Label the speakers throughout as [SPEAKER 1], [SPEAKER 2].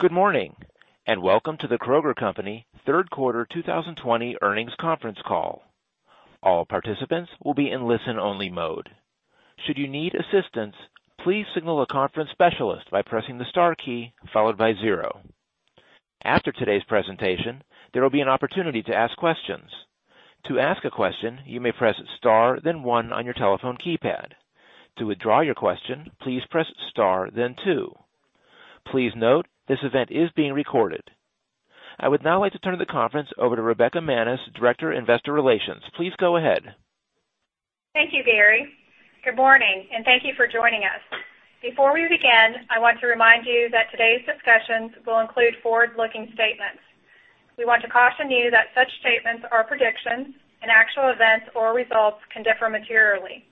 [SPEAKER 1] Good morning, and welcome to The Kroger Co. third quarter 2020 earnings conference call. All particpants will be in a listen-only mode. Should you need assistance, please signal a conference specialist by pressing the star key followed by zero. After today's presentation, there will be an opportunity to ask questions. To ask a question, you may press star then one on your telephone keypad. To withdraw your question please star then two, Please note this event is being recorded. I would now like to turn the conference over to Rebekah Manis, Director, Investor Relations. Please go ahead.
[SPEAKER 2] Thank you, Gary. Good morning, and thank you for joining us. Before we begin, I want to remind you that today's discussions will include forward-looking statements. We want to caution you that such statements are predictions, and actual events or results can differ materially.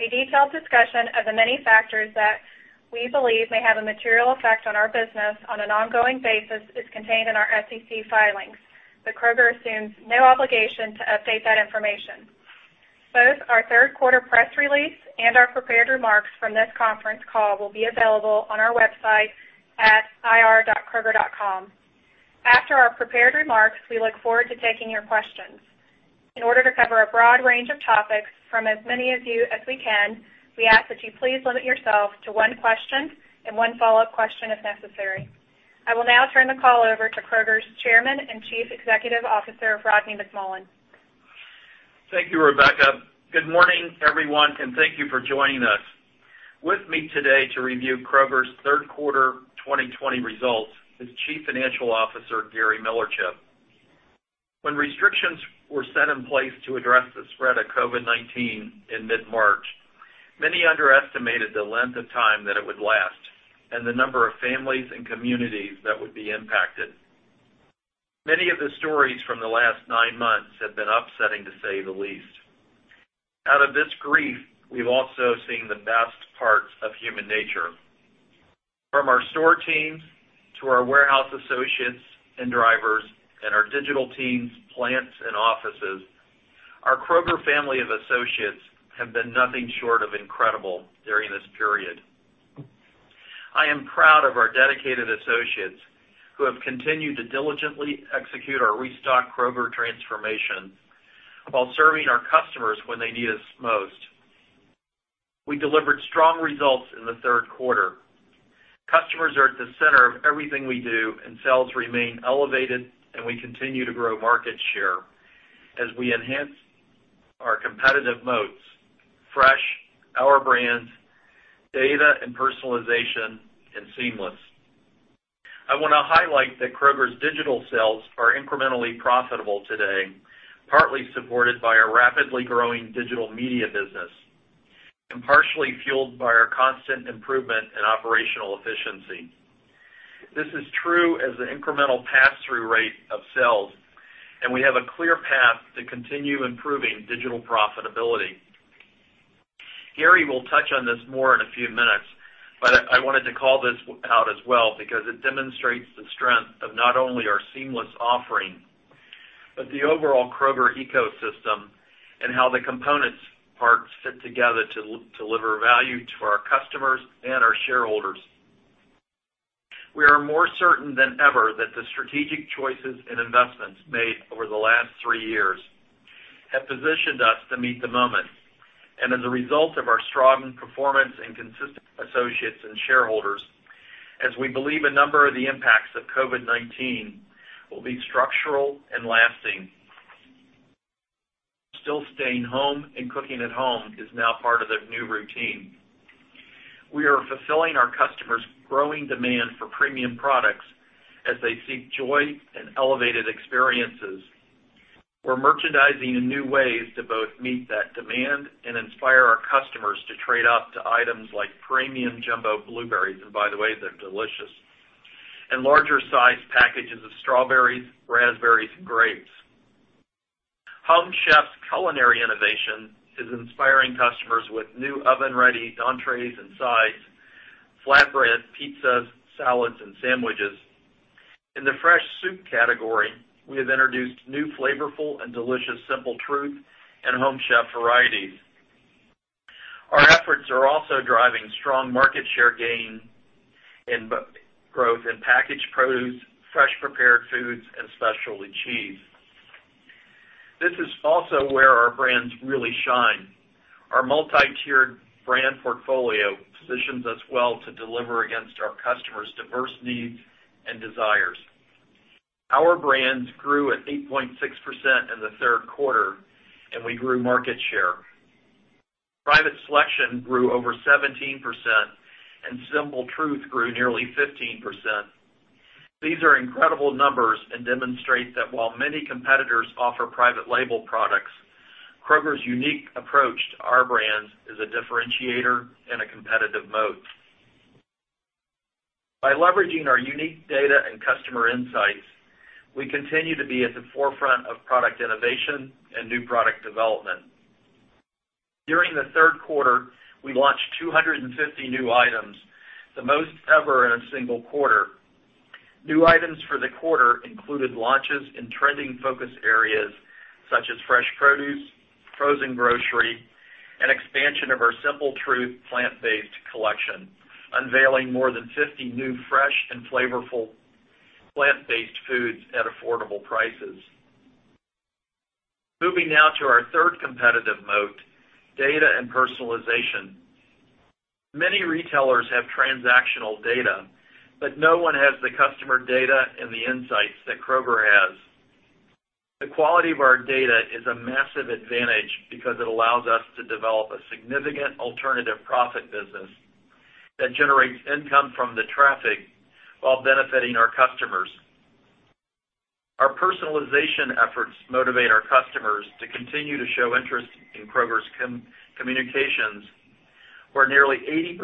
[SPEAKER 2] A detailed discussion of the many factors that we believe may have a material effect on our business on an ongoing basis is contained in our SEC filings. The Kroger assumes no obligation to update that information. Both our third quarter press release and our prepared remarks from this conference call will be available on our website at ir.kroger.com. After our prepared remarks, we look forward to taking your questions. In order to cover a broad range of topics from as many of you as we can, we ask that you please limit yourself to one question and one follow-up question if necessary. I will now turn the call over to Kroger's Chairman and Chief Executive Officer, Rodney McMullen.
[SPEAKER 3] Thank you, Rebekah. Good morning, everyone, and thank you for joining us. With me today to review Kroger's third quarter 2020 results is Chief Financial Officer Gary Millerchip. When restrictions were set in place to address the spread of COVID-19 in mid-March, many underestimated the length of time that it would last and the number of families and communities that would be impacted. Many of the stories from the last nine months have been upsetting, to say the least. Out of this grief, we've also seen the best parts of human nature. From our store teams to our warehouse associates and drivers and our digital teams, plants, and offices, our Kroger family of associates have been nothing short of incredible during this period. I am proud of our dedicated associates who have continued to diligently execute our Restock Kroger transformation while serving our customers when they need us most. We delivered strong results in the third quarter. Customers are at the center of everything we do, and sales remain elevated, and we continue to grow market share as we enhance our competitive moats, fresh, our brands, data and personalization, and seamless. I want to highlight that Kroger's digital sales are incrementally profitable today, partly supported by our rapidly growing digital media business and partially fueled by our constant improvement in operational efficiency. This is true as the incremental pass-through rate of sales, and we have a clear path to continue improving digital profitability. Gary will touch on this more in a few minutes, but I wanted to call this out as well because it demonstrates the strength of not only our seamless offering, but the overall Kroger ecosystem and how the components parts fit together to deliver value to our customers and our shareholders. We are more certain than ever that the strategic choices and investments made over the last three years have positioned us to meet the moment and as a result of our strong performance and consistent associates and shareholders, as we believe a number of the impacts of COVID-19 will be structural and lasting. Still staying home and cooking at home is now part of their new routine. We are fulfilling our customers' growing demand for premium products as they seek joy and elevated experiences. We're merchandising in new ways to both meet that demand and inspire our customers to trade up to items like premium jumbo blueberries, and by the way, they're delicious, and larger size packages of strawberries, raspberries, and grapes. Home Chef's culinary innovation is inspiring customers with new oven-ready entrees and sides, flatbread, pizzas, salads, and sandwiches. In the fresh soup category, we have introduced new flavorful and delicious Simple Truth and Home Chef varieties. Our efforts are also driving strong market share gain in growth in packaged produce, fresh prepared foods, and specialty cheese. This is also where our brands really shine. Our multi-tiered brand portfolio positions us well to deliver against our customers' diverse needs and desires. Our brands grew at 8.6% in the third quarter, and we grew market share. Private Selection grew over 17%, and Simple Truth grew nearly 15%. These are incredible numbers and demonstrate that while many competitors offer private label products, Kroger's unique approach to our brands is a differentiator and a competitive moat. By leveraging our unique data and customer insights, we continue to be at the forefront of product innovation and new product development. During the third quarter, we launched 250 new items, the most ever in a single quarter. New items for the quarter included launches in trending focus areas such as fresh produce, frozen grocery. An expansion of our Simple Truth plant-based collection, unveiling more than 50 new fresh and flavorful plant-based foods at affordable prices. Moving now to our third competitive moat, data and personalization. Many retailers have transactional data, but no one has the customer data and the insights that Kroger has. The quality of our data is a massive advantage because it allows us to develop a significant alternative profit business that generates income from the traffic while benefiting our customers. Our personalization efforts motivate our customers to continue to show interest in Kroger's communications, where nearly 80%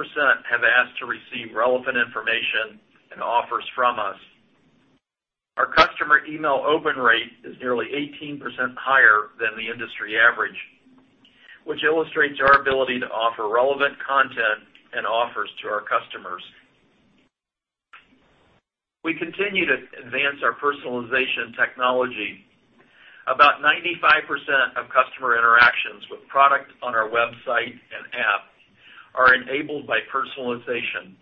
[SPEAKER 3] have asked to receive relevant information and offers from us. Our customer email open rate is nearly 18% higher than the industry average, which illustrates our ability to offer relevant content and offers to our customers. We continue to advance our personalization technology. About 95% of customer interactions with product on our website and app are enabled by personalization,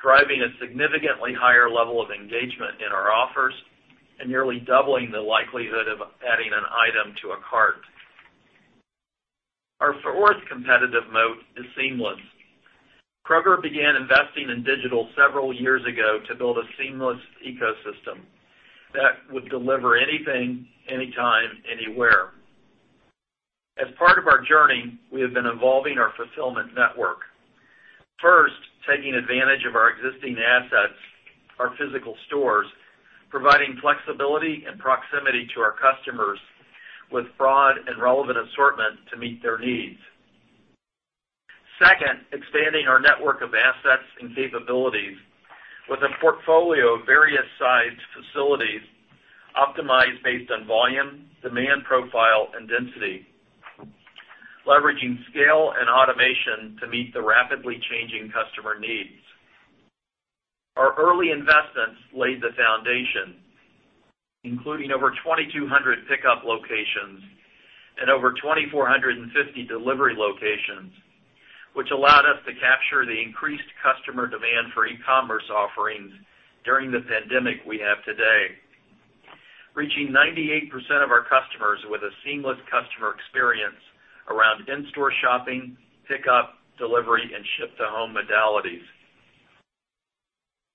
[SPEAKER 3] driving a significantly higher level of engagement in our offers, and nearly doubling the likelihood of adding an item to a cart. Our fourth competitive moat is seamless. Kroger began investing in digital several years ago to build a seamless ecosystem that would deliver anything, anytime, anywhere. As part of our journey, we have been evolving our fulfillment network. First, taking advantage of our existing assets, our physical stores, providing flexibility and proximity to our customers with broad and relevant assortment to meet their needs. Second, expanding our network of assets and capabilities with a portfolio of various sized facilities optimized based on volume, demand profile, and density, leveraging scale and automation to meet the rapidly changing customer needs. Our early investments laid the foundation, including over 2,200 pickup locations and over 2,450 delivery locations, which allowed us to capture the increased customer demand for e-commerce offerings during the pandemic we have today, reaching 98% of our customers with a seamless customer experience around in-store shopping, pickup, delivery, and ship-to-home modalities.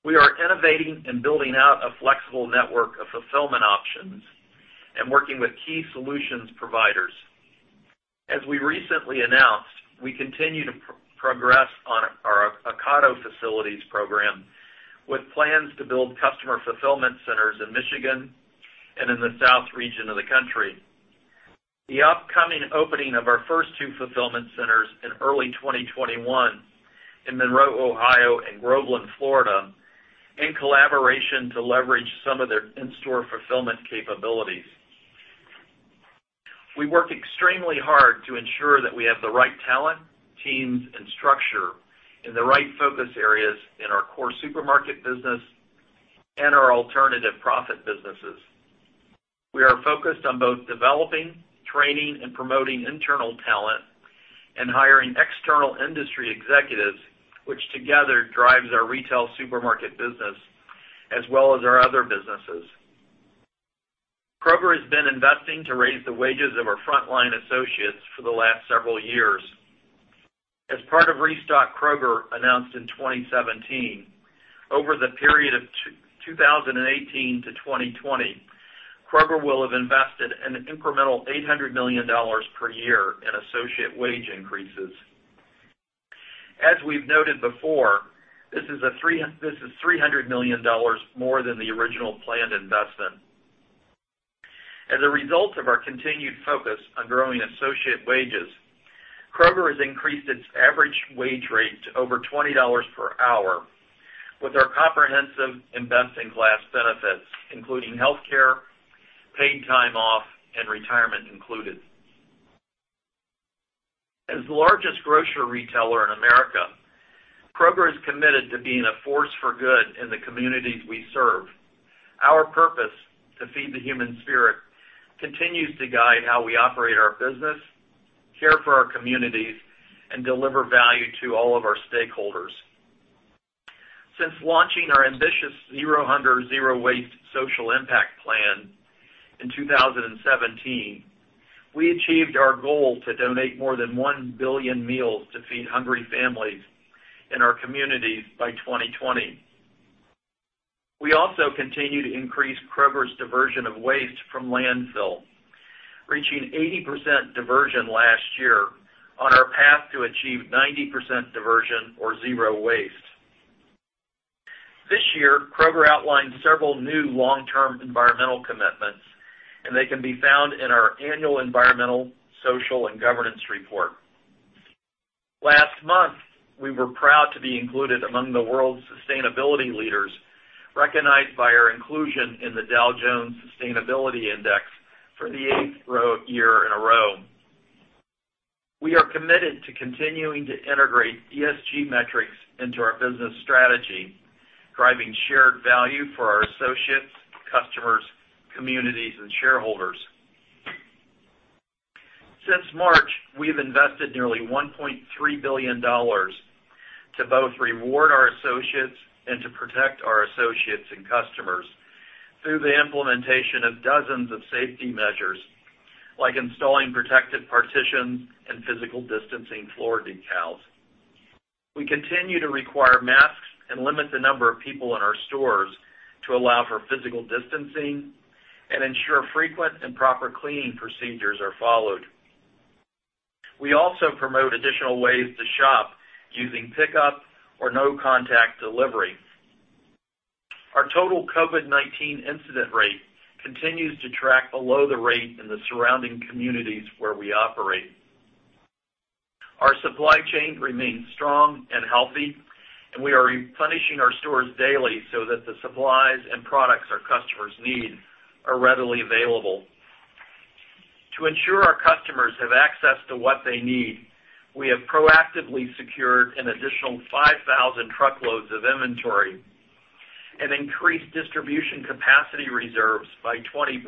[SPEAKER 3] We are innovating and building out a flexible network of fulfillment options and working with key solutions providers. As we recently announced, we continue to progress on our Ocado facilities program with plans to build customer fulfillment centers in Michigan and in the south region of the country. The upcoming opening of our first two fulfillment centers in early 2021 in Monroe, Ohio and Groveland, Florida, in collaboration to leverage some of their in-store fulfillment capabilities. We work extremely hard to ensure that we have the right talent, teams, and structure in the right focus areas in our core supermarket business and our alternative profit businesses. We are focused on both developing, training, and promoting internal talent and hiring external industry executives, which together drives our retail supermarket business as well as our other businesses. Kroger has been investing to raise the wages of our frontline associates for the last several years. As part of Restock Kroger announced in 2017, over the period of 2018 to 2020, Kroger will have invested an incremental $800 million per year in associate wage increases. As we've noted before, this is $300 million more than the original planned investment. As a result of our continued focus on growing associate wages, Kroger has increased its average wage rate to over $20 per hour with our comprehensive investing class benefits, including healthcare, paid time off, and retirement included. As the largest grocery retailer in America, Kroger is committed to being a force for good in the communities we serve. Our purpose, to feed the human spirit, continues to guide how we operate our business, care for our communities, and deliver value to all of our stakeholders. Since launching our ambitious Zero Hunger | Zero Waste social impact plan in 2017, we achieved our goal to donate more than one billion meals to feed hungry families in our communities by 2020. We also continue to increase Kroger's diversion of waste from landfill, reaching 80% diversion last year on our path to achieve 90% diversion or zero waste. This year, Kroger outlined several new long-term environmental commitments. They can be found in our annual environmental, social, and governance report. Last month, we were proud to be included among the world's sustainability leaders, recognized by our inclusion in the Dow Jones Sustainability Index for the eighth year in a row. We are committed to continuing to integrate ESG metrics into our business strategy, driving shared value for our associates, customers, communities, and shareholders. Since March, we've invested nearly $1.3 billion to both reward our associates and to protect our associates and customers through the implementation of dozens of safety measures, like installing protective partitions and physical distancing floor decals. We continue to require masks and limit the number of people in our stores to allow for physical distancing and ensure frequent and proper cleaning procedures are followed. We also promote additional ways to shop using pickup or no-contact delivery. Our total COVID-19 incident rate continues to track below the rate in the surrounding communities where we operate. Our supply chain remains strong and healthy, and we are replenishing our stores daily so that the supplies and products our customers need are readily available. To ensure our customers have access to what they need, we have proactively secured an additional 5,000 truckloads of inventory and increased distribution capacity reserves by 20%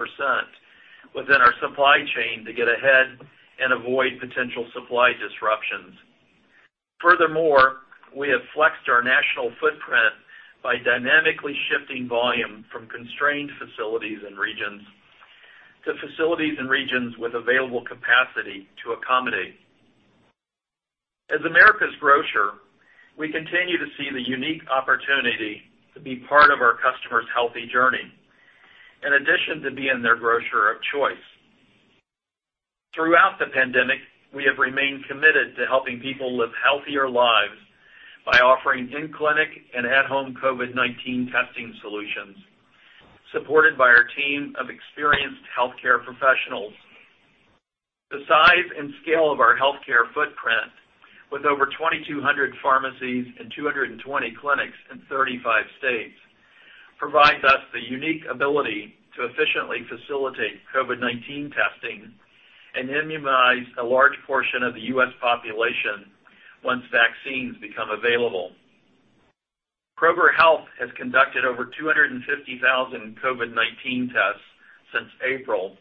[SPEAKER 3] within our supply chain to get ahead and avoid potential supply disruptions. Furthermore, we have flexed our national footprint by dynamically shifting volume from constrained facilities and regions to facilities and regions with available capacity to accommodate. As America's grocer, we continue to see the unique opportunity to be part of our customers' healthy journey, in addition to being their grocer of choice. Throughout the pandemic, we have remained committed to helping people live healthier lives by offering in-clinic and at-home COVID-19 testing solutions, supported by our team of experienced healthcare professionals. The size and scale of our healthcare footprint, with over 2,200 pharmacies and 220 clinics in 35 states, provides us the unique ability to efficiently facilitate COVID-19 testing and immunize a large portion of the U.S. population once vaccines become available. Kroger Health has conducted over 250,000 COVID-19 tests since April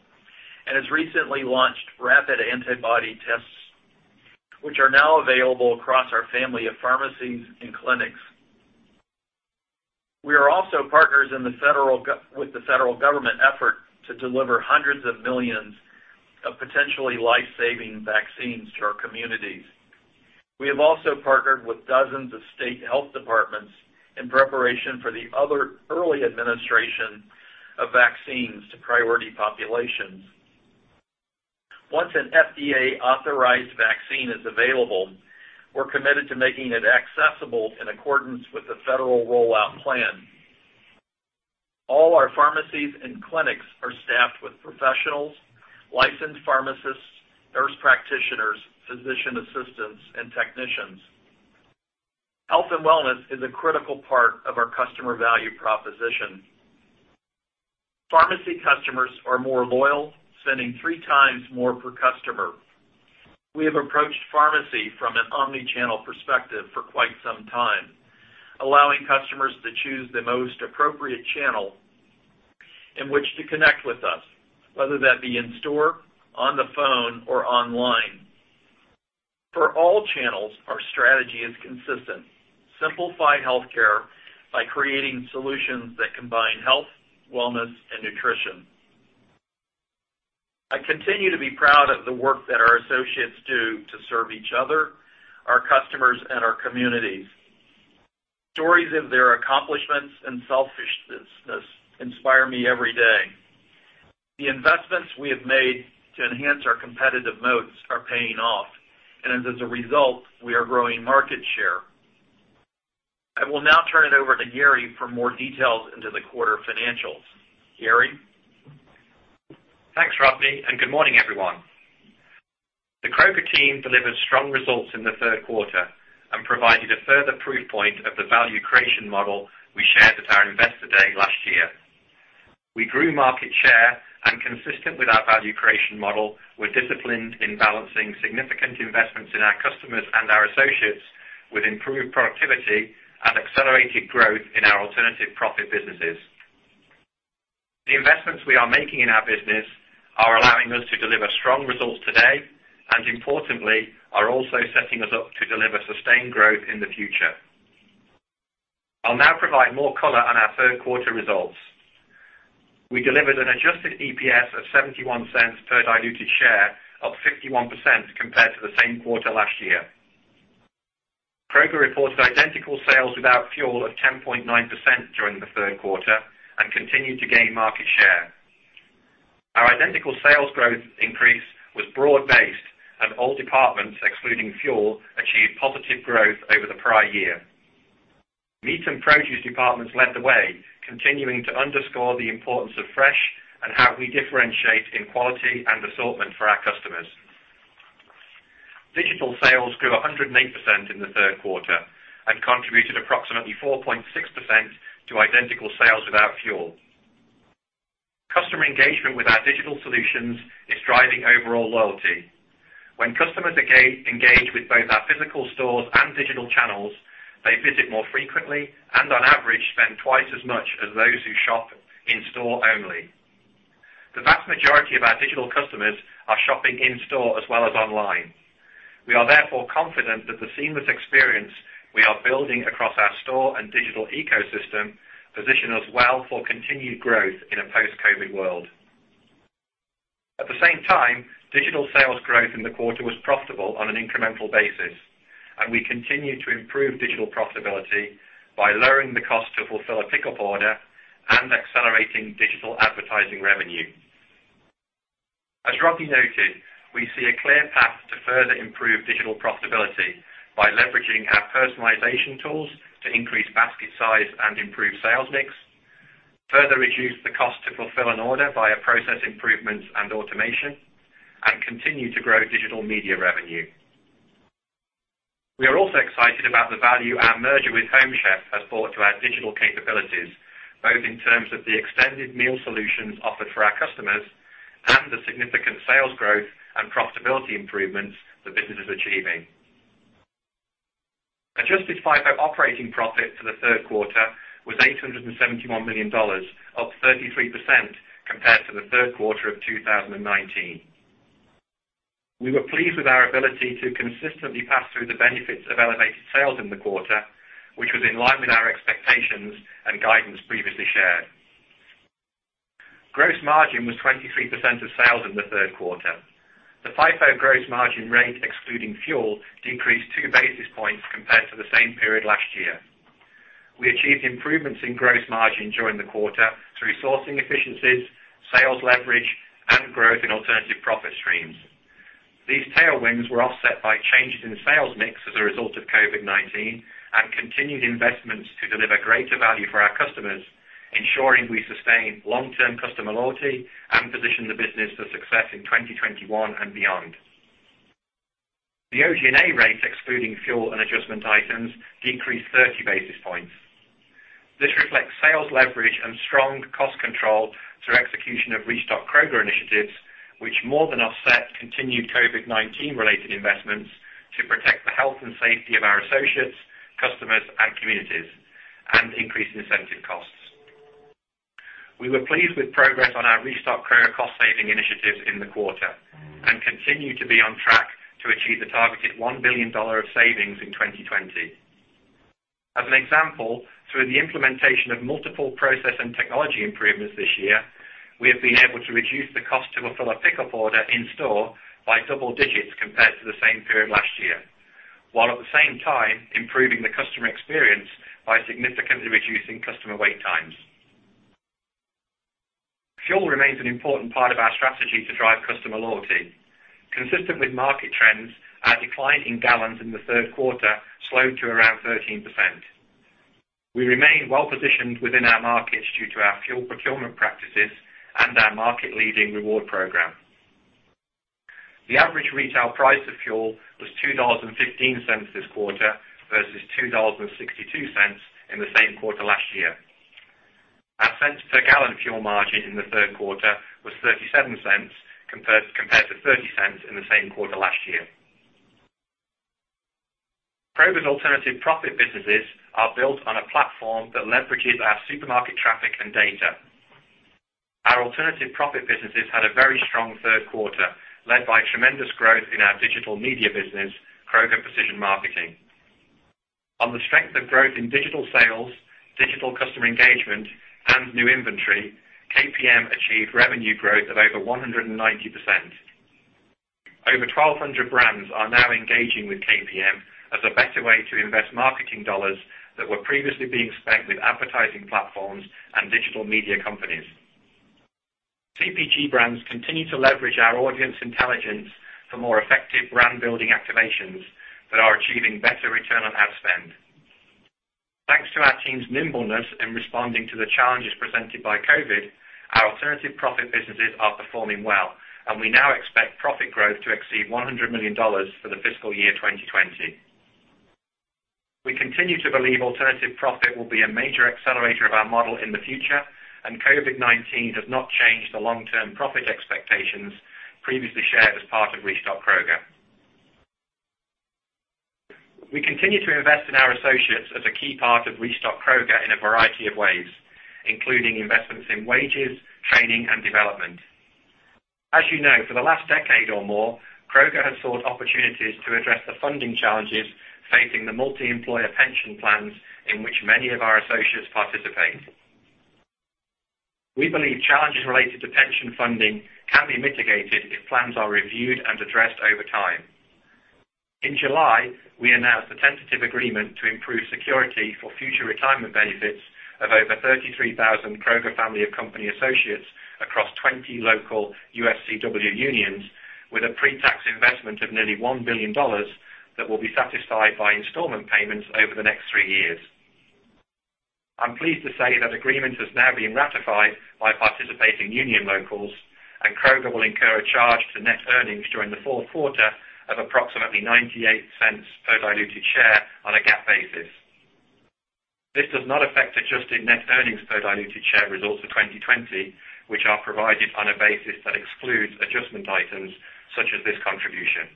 [SPEAKER 3] and has recently launched rapid antibody tests, which are now available across our family of pharmacies and clinics. We are also partners with the federal government effort to deliver hundreds of millions of potentially life-saving vaccines to our communities. We have also partnered with dozens of state health departments in preparation for the other early administration of vaccines to priority populations. Once an FDA-authorized vaccine is available, we're committed to making it accessible in accordance with the federal rollout plan. All our pharmacies and clinics are staffed with professionals, licensed pharmacists, nurse practitioners, physician assistants, and technicians. Health and wellness is a critical part of our customer value proposition. Pharmacy customers are more loyal, spending three times more per customer. We have approached pharmacy from an omni-channel perspective for quite some time, allowing customers to choose the most appropriate channel in which to connect with us, whether that be in store, on the phone, or online. For all channels, our strategy is consistent: simplify healthcare by creating solutions that combine health, wellness, and nutrition. I continue to be proud of the work that our associates do to serve each other, our customers, and our communities. Stories of their accomplishments and selflessness inspire me every day. The investments we have made to enhance our competitive moats are paying off. As a result, we are growing market share. I will now turn it over to Gary for more details into the quarter financials. Gary?
[SPEAKER 4] Thanks, Rodney. Good morning, everyone. The Kroger team delivered strong results in the third quarter and provided a further proof point of the value creation model we shared at our Investor Day last year. We grew market share, and consistent with our value creation model, we're disciplined in balancing significant investments in our customers and our associates with improved productivity and accelerated growth in our alternative profit businesses. The investments we are making in our business are allowing us to deliver strong results today, and importantly, are also setting us up to deliver sustained growth in the future. I'll now provide more color on our third quarter results. We delivered an adjusted EPS of $0.71 per diluted share, up 51% compared to the same quarter last year. Kroger reported identical sales without fuel of 10.9% during the third quarter and continued to gain market share. Our identical sales growth increase was broad-based, and all departments, excluding fuel, achieved positive growth over the prior year. Meat and produce departments led the way, continuing to underscore the importance of fresh and how we differentiate in quality and assortment for our customers. Digital sales grew 108% in the third quarter and contributed approximately 4.6% to identical sales without fuel. Customer engagement with our digital solutions is driving overall loyalty. When customers engage with both our physical stores and digital channels, they visit more frequently and on average, spend twice as much as those who shop in-store only. The vast majority of our digital customers are shopping in-store as well as online. We are therefore confident that the seamless experience we are building across our store and digital ecosystem position us well for continued growth in a post-COVID world. At the same time, digital sales growth in the quarter was profitable on an incremental basis, and we continue to improve digital profitability by lowering the cost to fulfill a pickup order and accelerating digital advertising revenue. As Rodney noted, we see a clear path to further improve digital profitability by leveraging our personalization tools to increase basket size and improve sales mix, further reduce the cost to fulfill an order via process improvements and automation, and continue to grow digital media revenue. We are also excited about the value our merger with Home Chef has brought to our digital capabilities, both in terms of the extended meal solutions offered for our customers and the significant sales growth and profitability improvements the business is achieving. Adjusted FIFO operating profit for the third quarter was $871 million, up 33% compared to the third quarter of 2019. We were pleased with our ability to consistently pass through the benefits of elevated sales in the quarter, which was in line with our expectations and guidance previously shared. Gross margin was 23% of sales in the third quarter. The FIFO gross margin rate, excluding fuel, decreased two basis points compared to the same period last year. We achieved improvements in gross margin during the quarter through sourcing efficiencies, sales leverage, and growth in alternative profit streams. These tailwinds were offset by changes in sales mix as a result of COVID-19 and continued investments to deliver greater value for our customers, ensuring we sustain long-term customer loyalty and position the business for success in 2021 and beyond. The OG&A rate, excluding fuel and adjustment items, decreased 30 basis points. This reflects sales leverage and strong cost control through execution of Restock Kroger initiatives, which more than offset continued COVID-19 related investments to protect the health and safety of our associates, customers, and communities, and increase incentive costs. We were pleased with progress on our Restock Kroger cost-saving initiatives in the quarter and continue to be on track to achieve the targeted $1 billion of savings in 2020. As an example, through the implementation of multiple process and technology improvements this year, we have been able to reduce the cost of a pickup order in-store by double digits compared to the same period last year, while at the same time improving the customer experience by significantly reducing customer wait times. Fuel remains an important part of our strategy to drive customer loyalty. Consistent with market trends, our decline in gallons in the third quarter slowed to around 13%. We remain well-positioned within our markets due to our fuel procurement practices and our market-leading reward program. The average retail price of fuel was $2.15 this quarter versus $2.62 in the same quarter last year. Our cents per gallon fuel margin in the third quarter was $0.37 compared to $0.30 in the same quarter last year. Kroger's alternative profit businesses are built on a platform that leverages our supermarket traffic and data. Our alternative profit businesses had a very strong third quarter, led by tremendous growth in our digital media business, Kroger Precision Marketing. On the strength of growth in digital sales, digital customer engagement, and new inventory, KPM achieved revenue growth of over 190%. Over 1,200 brands are now engaging with KPM as a better way to invest marketing dollars that were previously being spent with advertising platforms and digital media companies. CPG brands continue to leverage our audience intelligence for more effective brand building activations that are achieving better return on ad spend. Thanks to our team's nimbleness in responding to the challenges presented by COVID, our alternative profit businesses are performing well, and we now expect profit growth to exceed $100 million for the fiscal year 2020. We continue to believe alternative profit will be a major accelerator of our model in the future, and COVID-19 does not change the long-term profit expectations previously shared as part of Restock Kroger. We continue to invest in our associates as a key part of Restock Kroger in a variety of ways, including investments in wages, training, and development. As you know, for the last decade or more, Kroger has sought opportunities to address the funding challenges facing the multi-employer pension plans in which many of our associates participate. We believe challenges related to pension funding can be mitigated if plans are reviewed and addressed over time. In July, we announced a tentative agreement to improve security for future retirement benefits of over 33,000 Kroger family of company associates across 20 local UFCW unions with a pre-tax investment of nearly $1 billion that will be satisfied by installment payments over the next three years. I'm pleased to say that agreement has now been ratified by participating union locals, and Kroger will incur a charge to net earnings during the fourth quarter of approximately $0.98 per diluted share on a GAAP basis. This does not affect adjusted net earnings per diluted share results for 2020, which are provided on a basis that excludes adjustment items such as this contribution.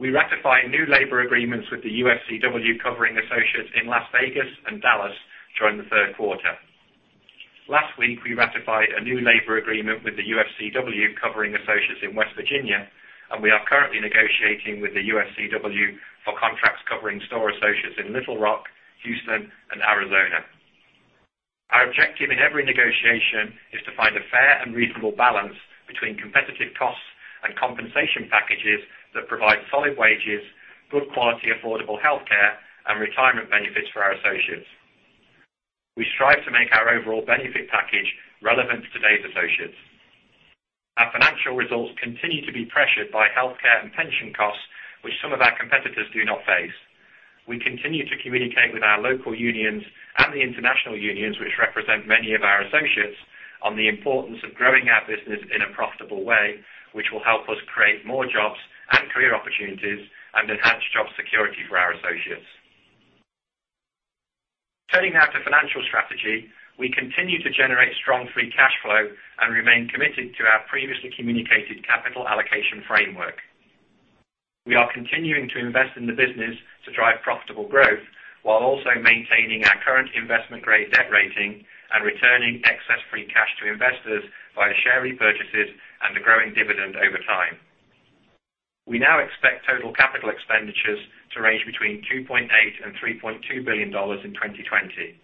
[SPEAKER 4] We ratify new labor agreements with the UFCW covering associates in Las Vegas and Dallas during the third quarter. Last week, we ratified a new labor agreement with the UFCW covering associates in West Virginia, and we are currently negotiating with the UFCW for contracts covering store associates in Little Rock, Houston, and Arizona. Our objective in every negotiation is to find a fair and reasonable balance between competitive costs and compensation packages that provide solid wages, good quality, affordable healthcare, and retirement benefits for our associates. We strive to make our overall benefit package relevant to today's associates. Our financial results continue to be pressured by healthcare and pension costs, which some of our competitors do not face. We continue to communicate with our local unions and the international unions, which represent many of our associates, on the importance of growing our business in a profitable way, which will help us create more jobs and career opportunities and enhance job security for our associates. Turning now to financial strategy. We continue to generate strong free cash flow and remain committed to our previously communicated capital allocation framework. We are continuing to invest in the business to drive profitable growth while also maintaining our current investment-grade debt rating and returning excess free cash to investors via share repurchases and a growing dividend over time. We now expect total capital expenditures to range between $2.8 billion and $3.2 billion in 2020.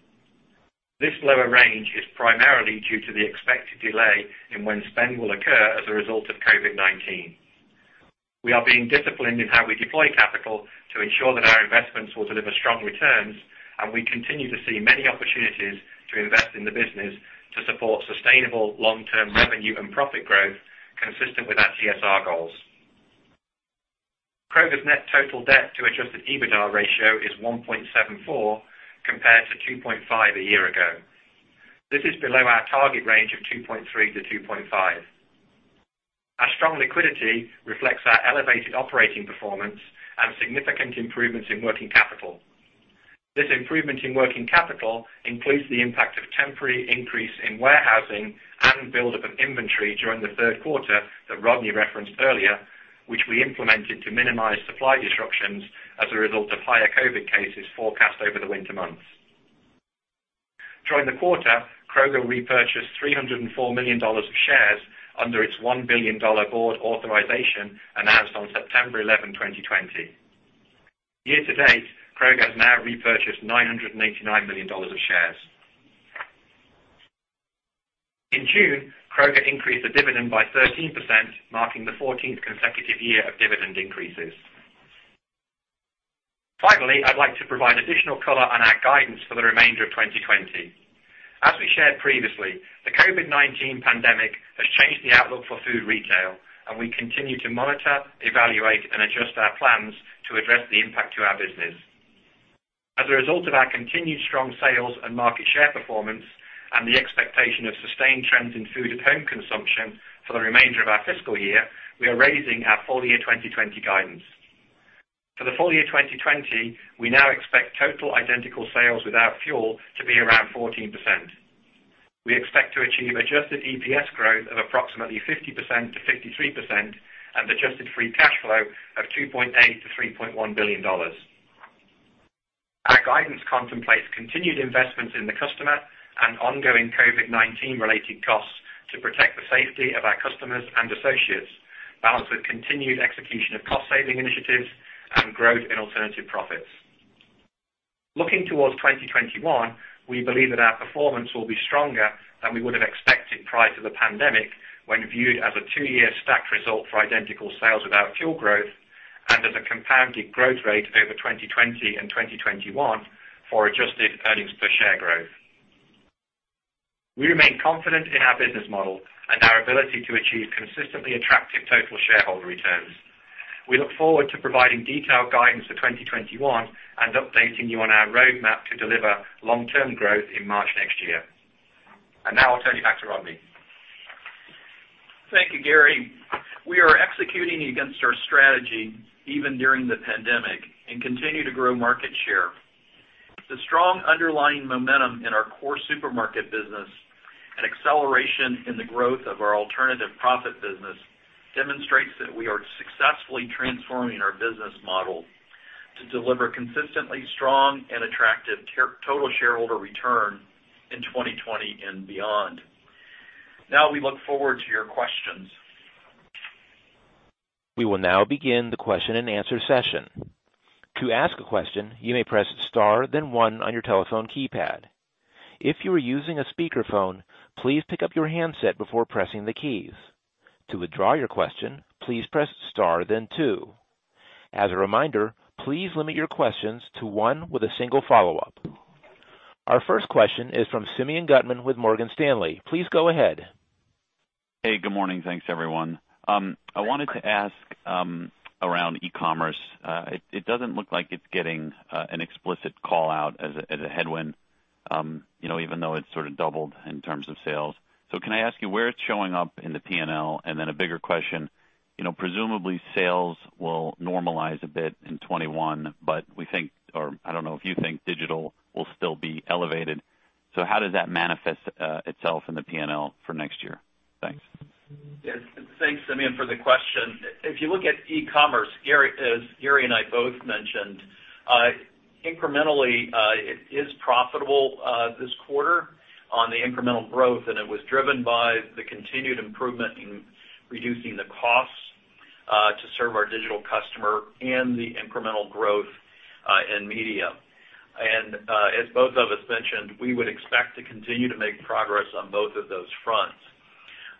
[SPEAKER 4] This lower range is primarily due to the expected delay in when spend will occur as a result of COVID-19. We are being disciplined in how we deploy capital to ensure that our investments will deliver strong returns, and we continue to see many opportunities to invest in the business to support sustainable long-term revenue and profit growth consistent with our CSR goals. Kroger's net total debt to adjusted EBITDA ratio is 1.74x, compared to 2.5 a year ago. This is below our target range of 2.3x-2.5x. Our strong liquidity reflects our elevated operating performance and significant improvements in working capital. This improvement in working capital includes the impact of temporary increase in warehousing and buildup of inventory during the third quarter that Rodney referenced earlier, which we implemented to minimize supply disruptions as a result of higher COVID cases forecast over the winter months. During the quarter, Kroger repurchased $304 million of shares under its $1 billion Board authorization announced on September 11, 2020. Year-to-date, Kroger has now repurchased $989 million of shares. In June, Kroger increased the dividend by 13%, marking the 14th consecutive year of dividend increases. Finally, I'd like to provide additional color on our guidance for the remainder of 2020. As we shared previously, the COVID-19 pandemic has changed the outlook for food retail, and we continue to monitor, evaluate, and adjust our plans to address the impact to our business. As a result of our continued strong sales and market share performance and the expectation of sustained trends in food at home consumption for the remainder of our fiscal year, we are raising our full-year 2020 guidance. For the full year 2020, we now expect total identical sales without fuel to be around 14%. We expect to achieve adjusted EPS growth of approximately 50%-53% and adjusted free cash flow of $2.8 billion-$3.1 billion. Our guidance contemplates continued investments in the customer and ongoing COVID-19 related costs to protect the safety of our customers and associates, balanced with continued execution of cost-saving initiatives and growth in alternative profits. Looking towards 2021, we believe that our performance will be stronger than we would have expected prior to the pandemic when viewed as a two-year stacked result for identical sales without fuel growth and as a compounded growth rate over 2020 and 2021 for adjusted earnings per share growth. We remain confident in our business model and our ability to achieve consistently attractive total shareholder returns. We look forward to providing detailed guidance for 2021 and updating you on our roadmap to deliver long-term growth in March next year. Now I'll turn you back to Rodney.
[SPEAKER 3] Thank you, Gary. We are executing against our strategy even during the pandemic and continue to grow market share. The strong underlying momentum in our core supermarket business and acceleration in the growth of our alternative profit business demonstrates that we are successfully transforming our business model to deliver consistently strong and attractive total shareholder return in 2020 and beyond. Now, we look forward to your questions.
[SPEAKER 1] We will now begin the question-and-answer session. To ask a question, you may press star then one on your telephone keypad. If you are using a speakerphone, please pick up your handset before pressing the keys. To withdraw your question, please press star then two. As a reminder, please limit your questions to one with a single follow-up. Our first question is from Simeon Gutman with Morgan Stanley. Please go ahead.
[SPEAKER 5] Hey, good morning. Thanks, everyone. I wanted to ask around e-commerce. It doesn't look like it's getting an explicit call-out as a headwind even though it's sort of doubled in terms of sales. Can I ask you where it's showing up in the P&L? A bigger question, presumably sales will normalize a bit in 2021, we think, or I don't know if you think digital will still be elevated. How does that manifest itself in the P&L for next year? Thanks.
[SPEAKER 3] Yes. Thanks, Simeon, for the question. If you look at e-commerce, as Gary and I both mentioned, incrementally, it is profitable this quarter on the incremental growth, and it was driven by the continued improvement in reducing the costs to serve our digital customer and the incremental growth in media. As both of us mentioned, we would expect to continue to make progress on both of those fronts.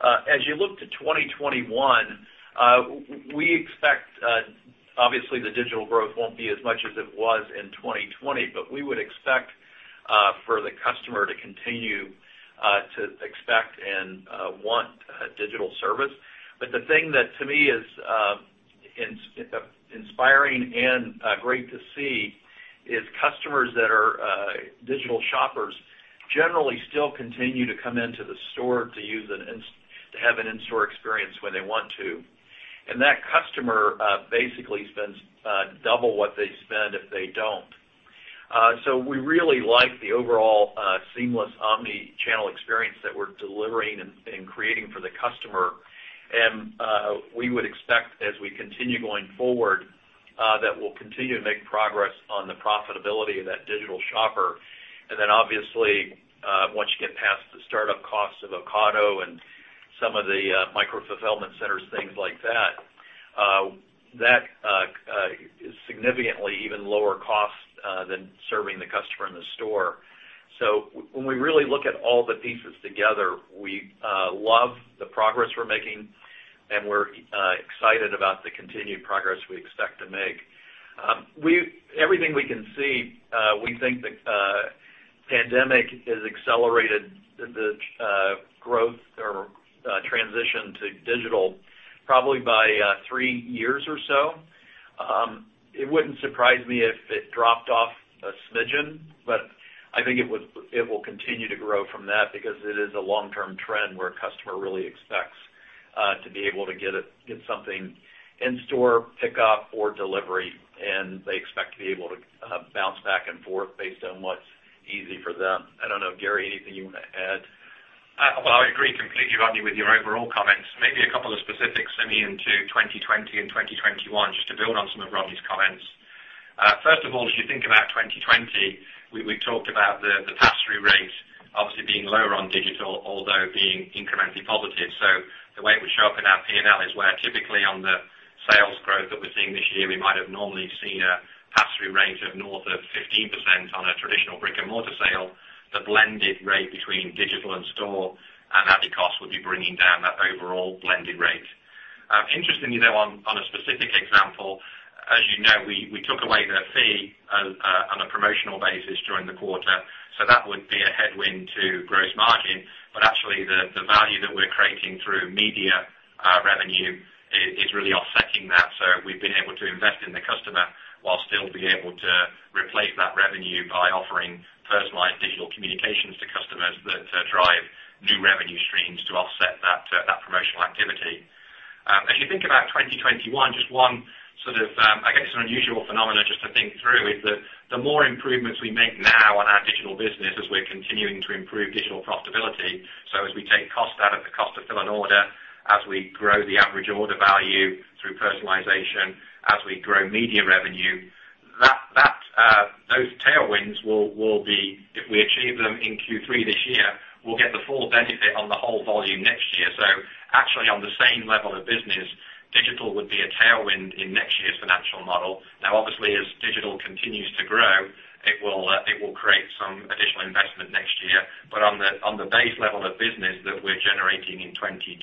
[SPEAKER 3] As you look to 2021, we expect, obviously, the digital growth won't be as much as it was in 2020 but we would expect for the customer to continue to expect and want digital service. The thing that to me is inspiring and great to see is customers that are digital shoppers generally still continue to come into the store to have an in-store experience when they want to and that customer basically spends double what they spend if they don't. We really like the overall seamless omni-channel experience that we're delivering and creating for the customer. We would expect, as we continue going forward, that we'll continue to make progress on the profitability of that digital shopper. Obviously, once you get past the startup costs of Ocado and some of the micro-fulfillment centers, things like that is significantly even lower cost than serving the customer in the store. When we really look at all the pieces together, we love the progress we're making, and we're excited about the continued progress we expect to make. Everything we can see, we think the pandemic has accelerated the growth or transition to digital, probably by three years or so. It wouldn't surprise me if it dropped off a smidgen but I think it will continue to grow from that because it is a long-term trend where a customer really expects to be able to get something in store, pickup, or delivery, and they expect to be able to bounce back and forth based on what's easy for them. I don't know, Gary, anything you want to add?
[SPEAKER 4] Well, I would agree completely, Rodney, with your overall comments. Maybe a couple of specifics, Simeon, to 2020 and 2021, just to build on some of Rodney's comments. First of all, as you think about 2020, we talked about the pass-through rate obviously being lower on digital, although being incrementally positive. The way it would show up in our P&L is where typically on the sales growth that we're seeing this year, we might have normally seen a pass-through rate of north of 15% on a traditional brick-and-mortar sale. The blended rate between digital and store and added cost would be bringing down that overall blended rate. Interestingly, though, on a specific example, as you know, we took away the fee on a promotional basis during the quarter, so that would be a headwind to gross margin. Actually, the value that we're creating through media revenue is really offsetting that. We've been able to invest in the customer while still being able to replace that revenue by offering personalized digital communications to customers that drive new revenue streams to offset that promotional activity. As you think about 2021, just one sort of, I guess, an unusual phenomenon just to think through is that the more improvements we make now on our digital business as we're continuing to improve digital profitability. As we take cost out of the cost to fill an order, as we grow the average order value through personalization, as we grow media revenue, those tailwinds will be, if we achieve them in Q3 this year, we'll get the full benefit on the whole volume next year. Actually, on the same level of business, digital would be a tailwind in next year's financial model. Obviously, as digital continues to grow, it will create some additional investment next year. On the base level of business that we're generating in 2020,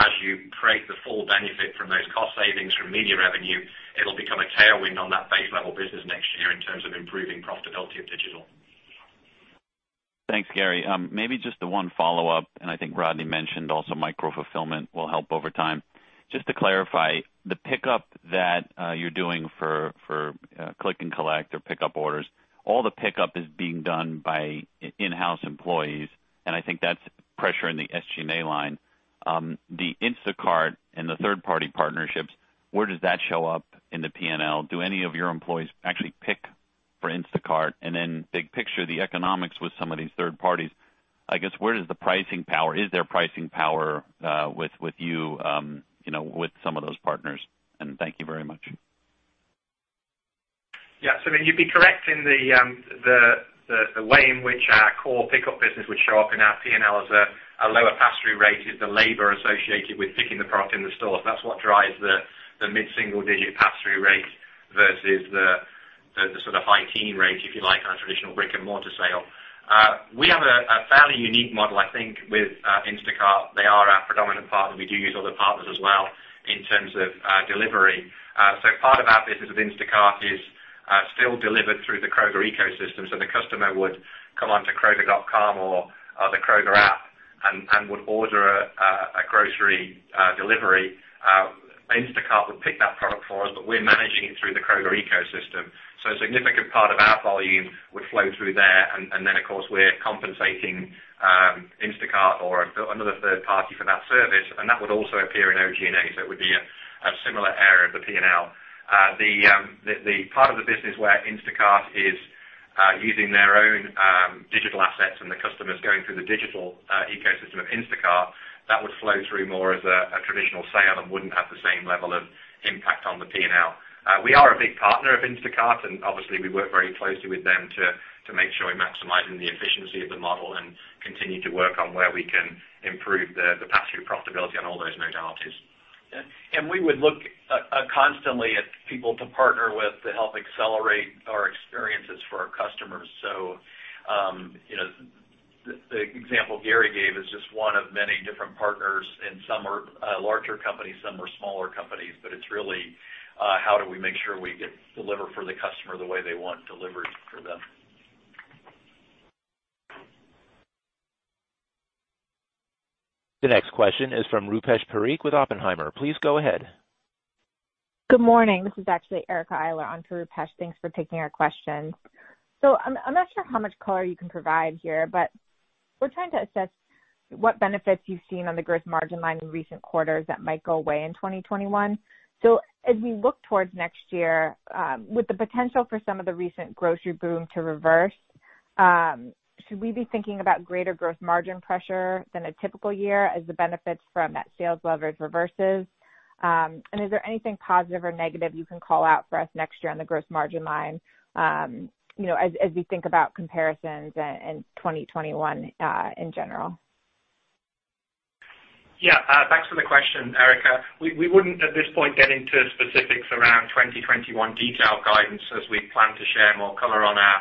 [SPEAKER 4] as you create the full benefit from those cost savings from media revenue, it'll become a tailwind on that base level business next year in terms of improving profitability of digital.
[SPEAKER 5] Thanks, Gary. Maybe just the one follow-up. I think Rodney mentioned also micro-fulfillment will help over time. Just to clarify, the pickup that you're doing for click and collect or pickup orders, all the pickup is being done by in-house employees, and I think that's pressure in the SG&A line. The Instacart and the third-party partnerships, where does that show up in the P&L? Do any of your employees actually pick for Instacart? Then big picture, the economics with some of these third parties, I guess, is there pricing power with some of those partners? Thank you very much.
[SPEAKER 4] Yeah. You'd be correct in the way in which our core pickup business would show up in our P&L as a lower pass-through rate is the labor associated with picking the product in the stores. That's what drives the mid-single-digit pass-through rate versus the sort of high teen rate, if you like, on a traditional brick-and-mortar sale. We have a fairly unique model, I think, with Instacart. They are our predominant partner. We do use other partners as well in terms of delivery. Part of our business with Instacart is still delivered through the Kroger ecosystem. The customer would come onto kroger.com or the Kroger app and would order a grocery delivery, Instacart would pick that product for us, but we're managing it through the Kroger ecosystem. A significant part of our volume would flow through there, and then, of course, we're compensating Instacart or another third party for that service, and that would also appear in OG&A. It would be a similar area of the P&L. The part of the business where Instacart is using their own digital assets and the customers going through the digital ecosystem of Instacart, that would flow through more as a traditional sale and wouldn't have the same level of impact on the P&L. We are a big partner of Instacart, and obviously, we work very closely with them to make sure we're maximizing the efficiency of the model and continue to work on where we can improve the pass-through profitability on all those modalities.
[SPEAKER 3] Yeah. We would look constantly at people to partner with to help accelerate our experiences for our customers. The example Gary gave is just one of many different partners, and some are larger companies, some are smaller companies, but it's really how do we make sure we deliver for the customer the way they want deliveries for them.
[SPEAKER 1] The next question is from Rupesh Parikh with Oppenheimer. Please go ahead.
[SPEAKER 6] Good morning. This is actually Erica Eiler on to Rupesh. Thanks for taking our question. I'm not sure how much color you can provide here, but we're trying to assess what benefits you've seen on the gross margin line in recent quarters that might go away in 2021. As we look towards next year, with the potential for some of the recent grocery boom to reverse, should we be thinking about greater gross margin pressure than a typical year as the benefits from that sales leverage reverses? Is there anything positive or negative you can call out for us next year on the gross margin line, as we think about comparisons in 2021 in general?
[SPEAKER 4] Yeah. Thanks for the question, Erica. We wouldn't, at this point, get into specifics around 2021 detailed guidance as we plan to share more color on our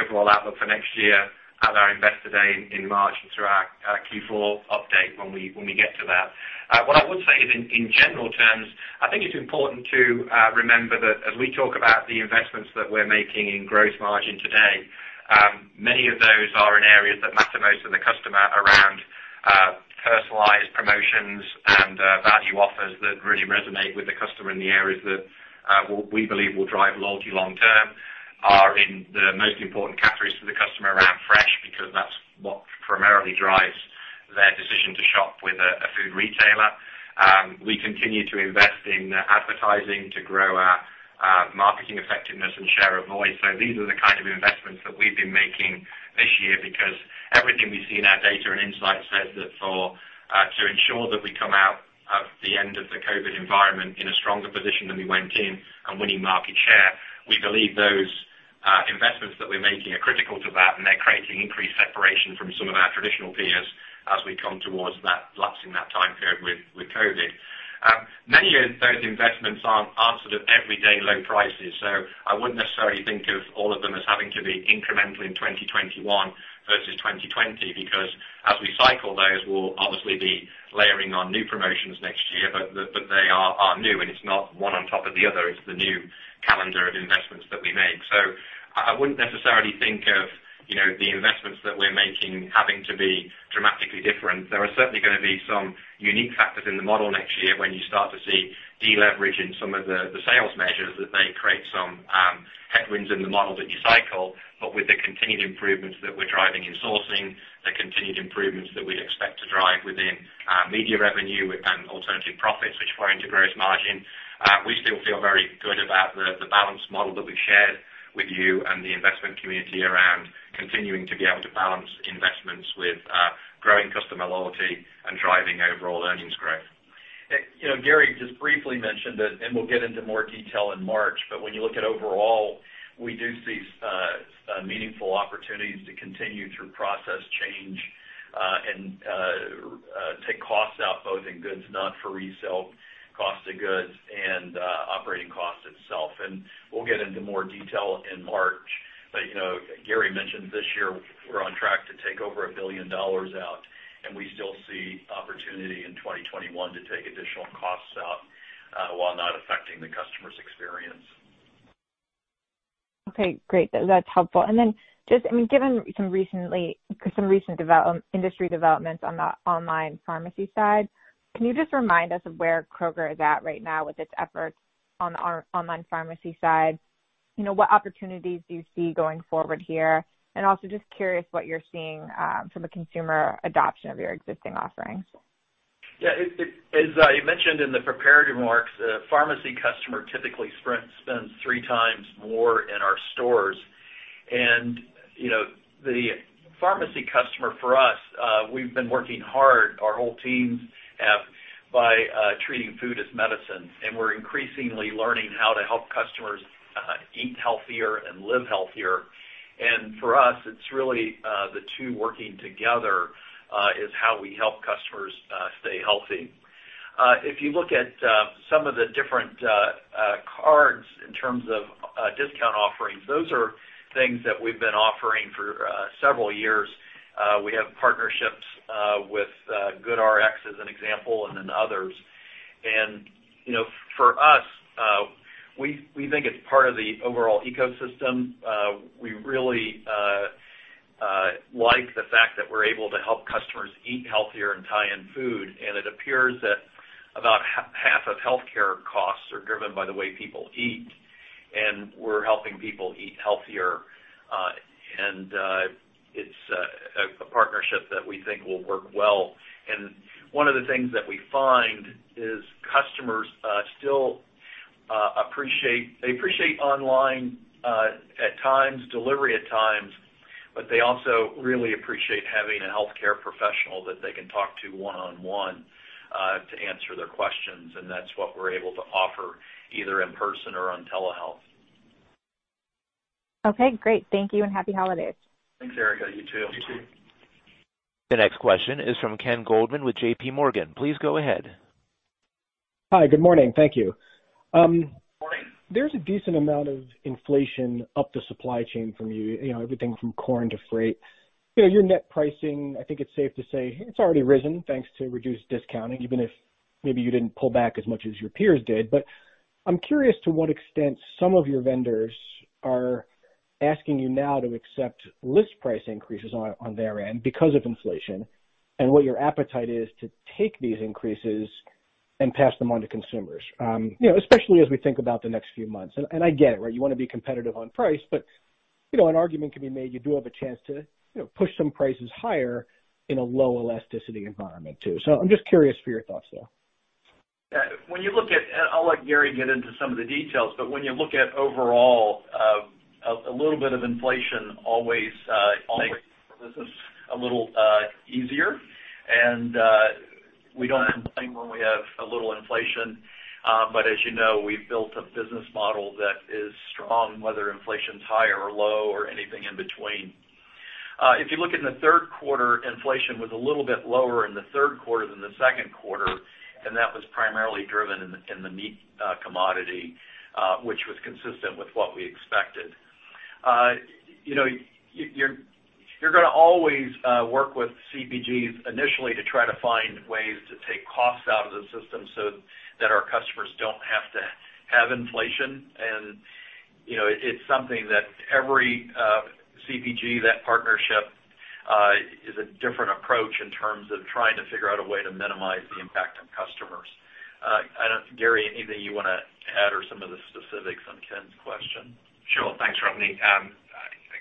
[SPEAKER 4] overall outlook for next year at our Investor Day in March and through our Q4 update when we get to that. What I would say is, in general terms, I think it's important to remember that as we talk about the investments that we're making in gross margin today, many of those are in areas that matter most to the customer around personalized promotions and value offers that really resonate with the customer in the areas that we believe will drive loyalty long term, are in the most important categories to the customer around fresh, because that's what primarily drives their decision to shop with a food retailer. We continue to invest in advertising to grow our marketing effectiveness and share of voice. These are the kind of investments that we've been making this year, because everything we see in our data and insight says that to ensure that we come out of the end of the COVID environment in a stronger position than we went in and winning market share, we believe those investments that we're making are critical to that, and they're creating increased separation from some of our traditional peers as we come towards that, lapsing that time period with COVID. Many of those investments aren't everyday low prices, so I wouldn't necessarily think of all of them as having to be incremental in 2021 versus 2020, because as we cycle those, we'll obviously be layering on new promotions next year. They are new, and it's not one on top of the other. It's the new calendar of investments that we make. I wouldn't necessarily think of the investments that we're making having to be dramatically different. There are certainly going to be some unique factors in the model next year when you start to see de-leveraging some of the sales measures, that they create some headwinds in the model that you cycle. With the continued improvements that we're driving in sourcing, the continued improvements that we expect to drive within media revenue and alternative profits, which flow into gross margin, we still feel very good about the balance model that we've shared with you and the investment community around continuing to be able to balance investments with growing customer loyalty and driving overall earnings growth.
[SPEAKER 3] Gary just briefly mentioned that, and we'll get into more detail in March. When you look at overall, we do see meaningful opportunities to continue through process change, and take costs out, both in goods not for resale, cost of goods, and operating costs itself. We'll get into more detail in March. Gary mentioned this year, we're on track to take over $1 billion out, and we still see opportunity in 2021 to take additional costs out while not affecting the customer's experience.
[SPEAKER 6] Okay, great. That's helpful. Then just given some recent industry developments on the online pharmacy side, can you just remind us of where Kroger is at right now with its efforts on the online pharmacy side? What opportunities do you see going forward here? Also just curious what you're seeing from a consumer adoption of your existing offerings.
[SPEAKER 3] Yeah. As I mentioned in the prepared remarks, a pharmacy customer typically spends three times more in our stores. The pharmacy customer for us, we've been working hard, our whole teams have, by treating food as medicine, and we're increasingly learning how to help customers eat healthier and live healthier. For us, it's really the two working together is how we help customers stay healthy. If you look at some of the different cards in terms of discount offerings, those are things that we've been offering for several years. We have partnerships with GoodRx, as an example, and then others. For us, we think it's part of the overall ecosystem. We really like the fact that we're able to help customers eat healthier and tie in food. It appears that about half of healthcare costs are driven by the way people eat, and we're helping people eat healthier. It's a partnership that we think will work well. One of the things that we find is customers still appreciate online at times, delivery at times, but they also really appreciate having a healthcare professional that they can talk to one-on-one to answer their questions, and that's what we're able to offer, either in person or on telehealth.
[SPEAKER 6] Okay, great. Thank you, and happy holidays.
[SPEAKER 3] Thanks, Erica. You too.
[SPEAKER 4] You too.
[SPEAKER 1] The next question is from Ken Goldman with JPMorgan. Please go ahead.
[SPEAKER 7] Hi. Good morning. Thank you.
[SPEAKER 3] Morning.
[SPEAKER 7] There's a decent amount of inflation up the supply chain from you, everything from corn to freight. Your net pricing, I think it's safe to say it's already risen, thanks to reduced discounting, even if maybe you didn't pull back as much as your peers did. I'm curious to what extent some of your vendors are asking you now to accept list price increases on their end because of inflation, and what your appetite is to take these increases and pass them on to consumers. Especially as we think about the next few months. I get it, right, you want to be competitive on price, but an argument can be made, you do have a chance to push some prices higher in a low elasticity environment, too. I'm just curious for your thoughts there.
[SPEAKER 3] I'll let Gary get into some of the details, when you look at overall, a little bit of inflation always makes business a little easier. We don't complain when we have a little inflation. As you know, we've built a business model that is strong, whether inflation's high or low or anything in between. If you look in the third quarter, inflation was a little bit lower in the third quarter than the second quarter, that was primarily driven in the meat commodity, which was consistent with what we expected. You're going to always work with CPGs initially to try to find ways to take costs out of the system so that our customers don't have to have inflation. It's something that every CPG, that partnership, is a different approach in terms of trying to figure out a way to minimize the impact on customers. Gary, anything you want to add or some of the specifics on Ken's question?
[SPEAKER 4] Sure. Thanks, Rodney.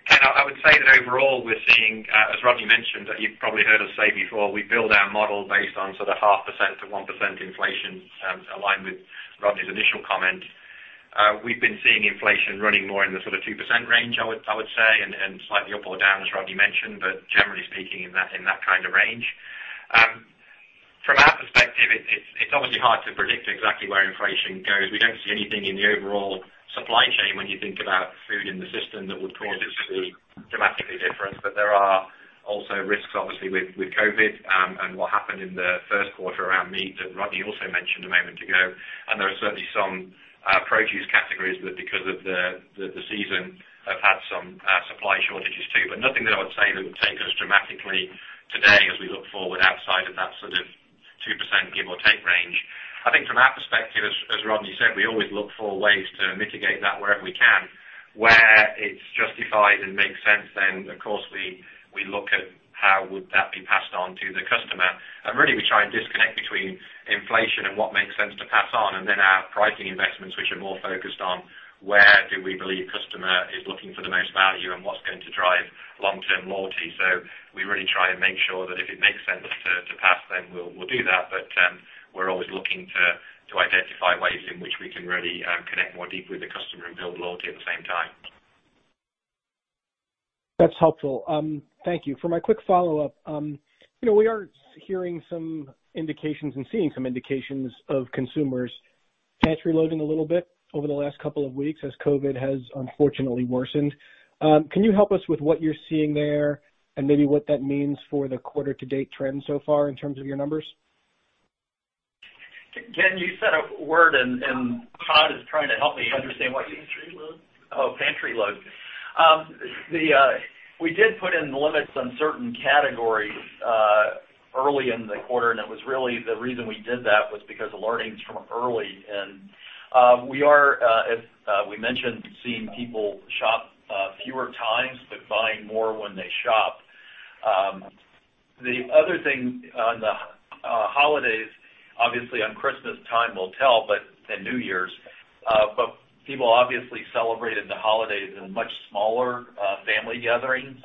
[SPEAKER 4] Ken, I would say that overall, we're seeing, as Rodney mentioned, that you've probably heard us say before, we build our model based on sort of 0.5%-1% inflation, aligned with Rodney's initial comment. We've been seeing inflation running more in the sort of 2% range, I would say, slightly up or down, as Rodney mentioned, generally speaking, in that kind of range. From our perspective, it's obviously hard to predict exactly where inflation goes. We don't see anything in the overall supply chain when you think about food in the system that would cause us to be dramatically different. There are also risks, obviously, with COVID and what happened in the first quarter around meat that Rodney also mentioned a moment ago. There are certainly some produce categories that, because of the season, have had some supply shortages, too. Nothing that I would say that would take us dramatically today as we look forward outside of that sort of 2% give or take range. I think from our perspective, as Rodney said, we always look for ways to mitigate that wherever we can. Where it's justified and makes sense, of course, we look at how would that be passed on to the customer. Really, we try and disconnect between inflation and what makes sense to pass on, and our pricing investments, which are more focused on where do we believe customer is looking for the most value and what's going to drive long-term loyalty. We really try and make sure that if it makes sense to pass, we'll do that. We're always looking to identify ways in which we can really connect more deeply with the customer and build loyalty at the same time.
[SPEAKER 7] That's helpful. Thank you. For my quick follow-up, we are hearing some indications and seeing some indications of consumers pantry loading a little bit over the last couple of weeks as COVID has unfortunately worsened. Can you help us with what you're seeing there and maybe what that means for the quarter to date trends so far in terms of your numbers?
[SPEAKER 3] Ken, you said a word and Todd is trying to help me understand what you-
[SPEAKER 4] Pantry load?
[SPEAKER 3] ...oh, pantry load. We did put in limits on certain categories early in the quarter, and it was really the reason we did that was because of learnings from early. We are, as we mentioned, seeing people shop fewer times, but buying more when they shop. The other thing on the holidays, obviously on Christmas time will tell, and New Year's, but people obviously celebrated the holidays in much smaller family gatherings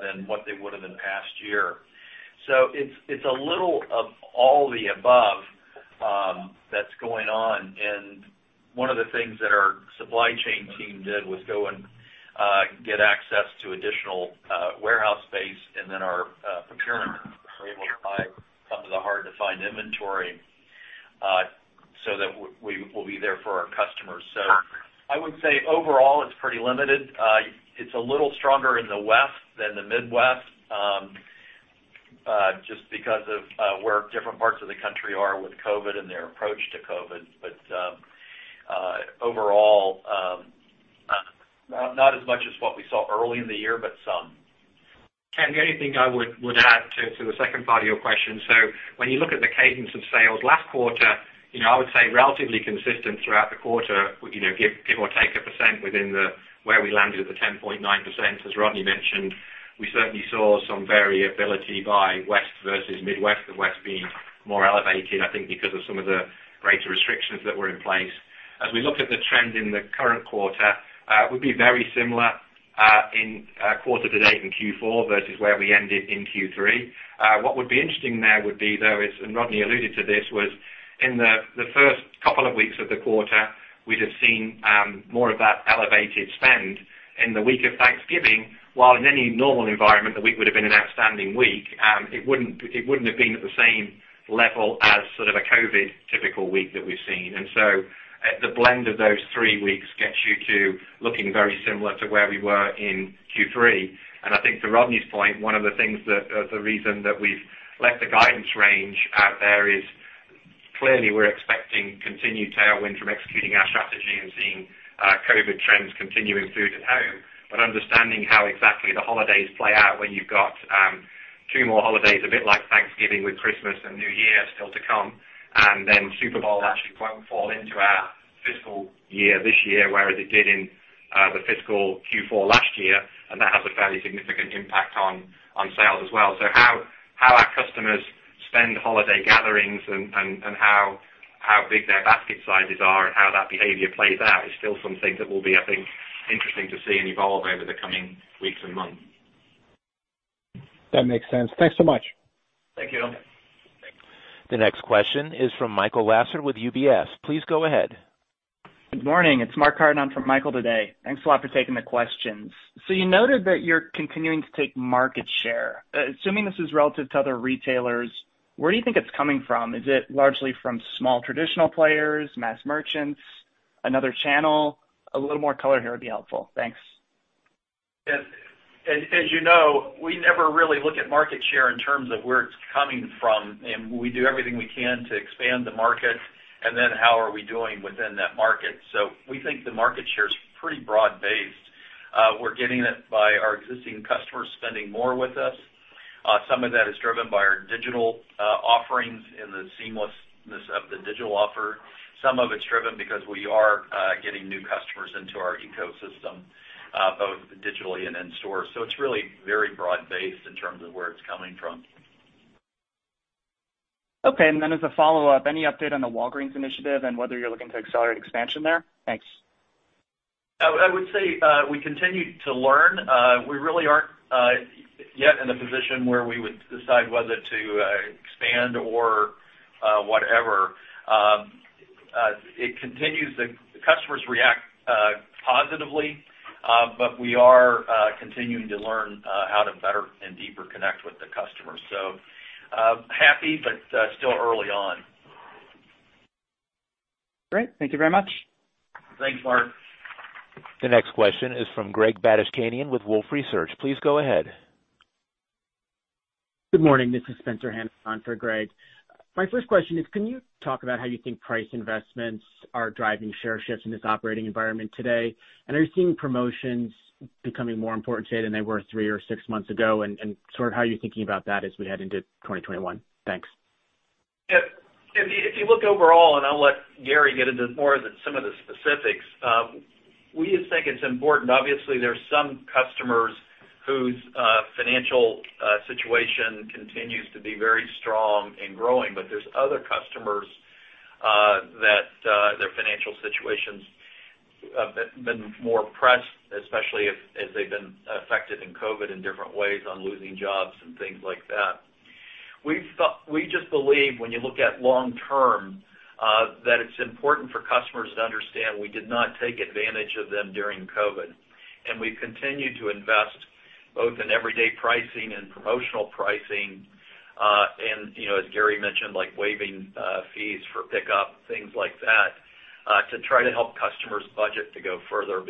[SPEAKER 3] than what they would have in past year. It's a little of all the above that's going on. One of the things that our supply chain team did was go and get access to additional warehouse space, and then our procurement was able to buy some of the hard to find inventory so that we'll be there for our customers. I would say overall, it's pretty limited. It's a little stronger in the West than the Midwest, just because of where different parts of the country are with COVID and their approach to COVID. Overall, not as much as what we saw early in the year, but some.
[SPEAKER 4] Ken, the only thing I would add to the second part of your question. When you look at the cadence of sales last quarter, I would say relatively consistent throughout the quarter, give or take a percent within where we landed at the 10.9%, as Rodney mentioned. We certainly saw some variability by West versus Midwest, the West being more elevated, I think because of some of the greater restrictions that were in place. As we look at the trend in the current quarter, it would be very similar in quarter to date in Q4 versus where we ended in Q3. What would be interesting there would be, though, and Rodney alluded to this, was in the first couple of weeks of the quarter, we'd have seen more of that elevated spend in the week of Thanksgiving, while in any normal environment, the week would've been an outstanding week. It wouldn't have been at the same level as sort of a COVID typical week that we've seen. The blend of those three weeks gets you to looking very similar to where we were in Q3. I think to Rodney's point, one of the things that, the reason that we've left the guidance range out there is clearly we're expecting continued tailwind from executing our strategy and seeing COVID trends continuing food at home, but understanding how exactly the holidays play out when you've got two more holidays, a bit like Thanksgiving with Christmas and New Year still to come. Super Bowl actually won't fall into our fiscal year this year, whereas it did in the fiscal Q4 last year, and that has a fairly significant impact on sales as well. How our customers spend holiday gatherings and how big their basket sizes are and how that behavior plays out is still something that will be, I think, interesting to see and evolve over the coming weeks and months.
[SPEAKER 7] That makes sense. Thanks so much.
[SPEAKER 4] Thank you.
[SPEAKER 3] Thank you.
[SPEAKER 1] The next question is from Michael Lasser with UBS. Please go ahead.
[SPEAKER 8] Good morning. It's Mark Harden for Michael today. Thanks a lot for taking the questions. You noted that you're continuing to take market share. Assuming this is relative to other retailers, where do you think it's coming from? Is it largely from small traditional players, mass merchants, another channel? A little more color here would be helpful. Thanks.
[SPEAKER 3] As you know, we never really look at market share in terms of where it's coming from, and we do everything we can to expand the market, and then how are we doing within that market. We think the market share's pretty broad-based. We're getting it by our existing customers spending more with us. Some of that is driven by our digital offerings and the seamlessness of the digital offer. Some of it's driven because we are getting new customers into our ecosystem, both digitally and in store. It's really very broad-based in terms of where it's coming from.
[SPEAKER 8] Okay. As a follow-up, any update on the Walgreens initiative and whether you're looking to accelerate expansion there? Thanks.
[SPEAKER 3] I would say we continue to learn. We really aren't yet in a position where we would decide whether to expand or whatever. It continues. The customers react positively. We are continuing to learn how to better and deeper connect with the customers. Happy, but still early on.
[SPEAKER 8] Great. Thank you very much.
[SPEAKER 3] Thanks, Mark.
[SPEAKER 1] The next question is from Greg Badishkanian with Wolfe Research. Please go ahead.
[SPEAKER 9] Good morning. This is Spencer Hanus on for Greg. My first question is, can you talk about how you think price investments are driving share shifts in this operating environment today? Are you seeing promotions becoming more important today than they were three or six months ago? Sort of how are you thinking about that as we head into 2021? Thanks.
[SPEAKER 3] If you look overall, and I'll let Gary get into more of some of the specifics, we just think it's important. Obviously, there are some customers whose financial situation continues to be very strong and growing, but there's other customers that their financial situations have been more pressed, especially as they've been affected in COVID in different ways on losing jobs and things like that. We just believe when you look at long term, that it's important for customers to understand we did not take advantage of them during COVID, and we've continued to invest both in everyday pricing and promotional pricing, and as Gary mentioned, like waiving fees for pickup, things like that, to try to help customers' budget to go further.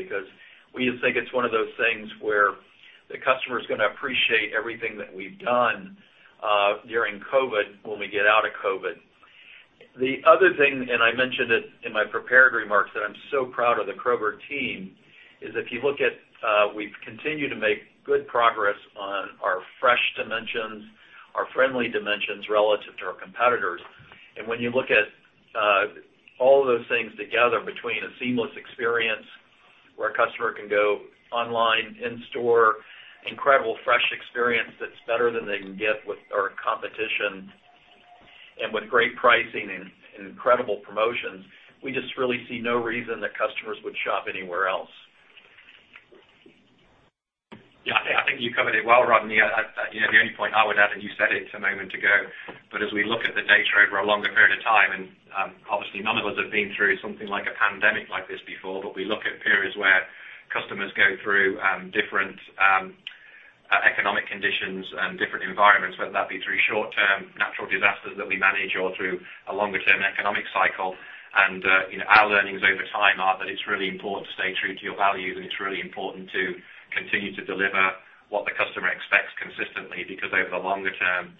[SPEAKER 3] We just think it's one of those things where the customer's going to appreciate everything that we've done during COVID when we get out of COVID. The other thing, and I mentioned it in my prepared remarks, that I'm so proud of the Kroger team, is if you look at we've continued to make good progress on our fresh dimensions, our friendly dimensions relative to our competitors. When you look at all those things together, between a seamless experience where a customer can go online, in store, incredible fresh experience that's better than they can get with our competition, and with great pricing and incredible promotions, we just really see no reason that customers would shop anywhere else.
[SPEAKER 4] Yeah. I think you covered it well, Rodney. The only point I would add, you said it a moment ago, as we look at the data over a longer period of time, obviously none of us have been through something like a pandemic like this before, we look at periods where customers go through different economic conditions and different environments, whether that be through short-term natural disasters that we manage or through a longer-term economic cycle. Our learnings over time are that it's really important to stay true to your values, it's really important to continue to deliver what the customer expects consistently, because over the longer term,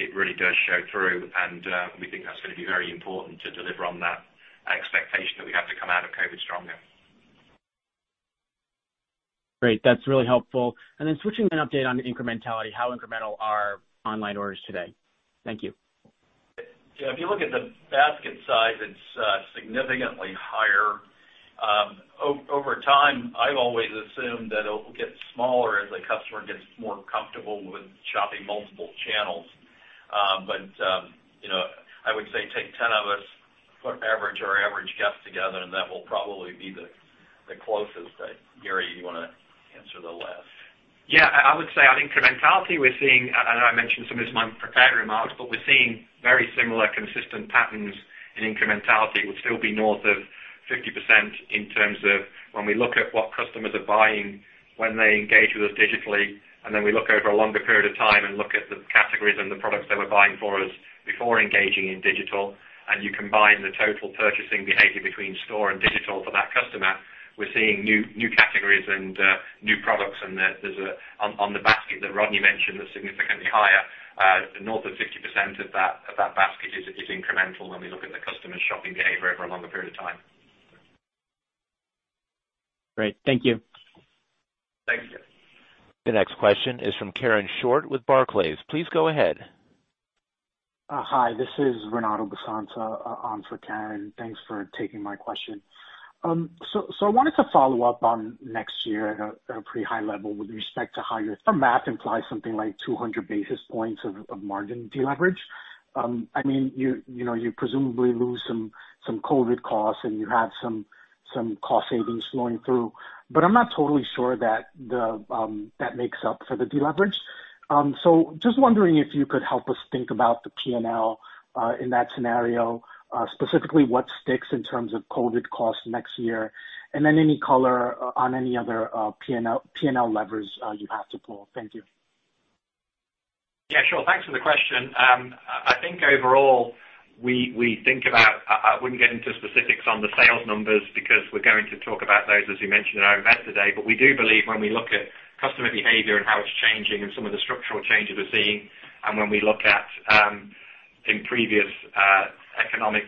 [SPEAKER 4] it really does show through, we think that's going to be very important to deliver on that expectation that we have to come out of COVID stronger.
[SPEAKER 9] Great. That's really helpful. Then switching an update on the incrementality, how incremental are online orders today? Thank you.
[SPEAKER 3] If you look at the basket size, it's significantly higher. Over time, I've always assumed that it will get smaller as the customer gets more comfortable with shopping multiple channels. I would say take 10 of us, put our average guest together, and that will probably be the closest. Gary, you want to answer the rest?
[SPEAKER 4] Yeah. I would say on incrementality, I know I mentioned some of this in my prepared remarks, but we're seeing very similar consistent patterns in incrementality, which still be north of 50% in terms of when we look at what customers are buying, when they engage with us digitally, and then we look over a longer period of time and look at the categories and the products they were buying for us before engaging in digital, and you combine the total purchasing behavior between store and digital for that customer, we're seeing new categories and new products. On the basket that Rodney mentioned, that's significantly higher, north of 50% of that basket is incremental when we look at the customer's shopping behavior over a longer period of time.
[SPEAKER 9] Great. Thank you.
[SPEAKER 4] Thank you.
[SPEAKER 1] The next question is from Karen Short with Barclays. Please go ahead.
[SPEAKER 10] Hi, this is Renato Basanta on for Karen. Thanks for taking my question. I wanted to follow up on next year at a pretty high level with respect to how your math implies something like 200 basis points of margin deleverage. You presumably lose some COVID costs, and you have some cost savings flowing through. I'm not totally sure that makes up for the deleverage. Just wondering if you could help us think about the P&L in that scenario, specifically what sticks in terms of COVID costs next year, and then any color on any other P&L levers you have to pull. Thank you.
[SPEAKER 4] Sure. Thanks for the question. I think overall, I wouldn't get into specifics on the sales numbers because we're going to talk about those, as you mentioned, in our Investor Day. We do believe when we look at customer behavior and how it's changing and some of the structural changes we're seeing, and when we look at in previous economic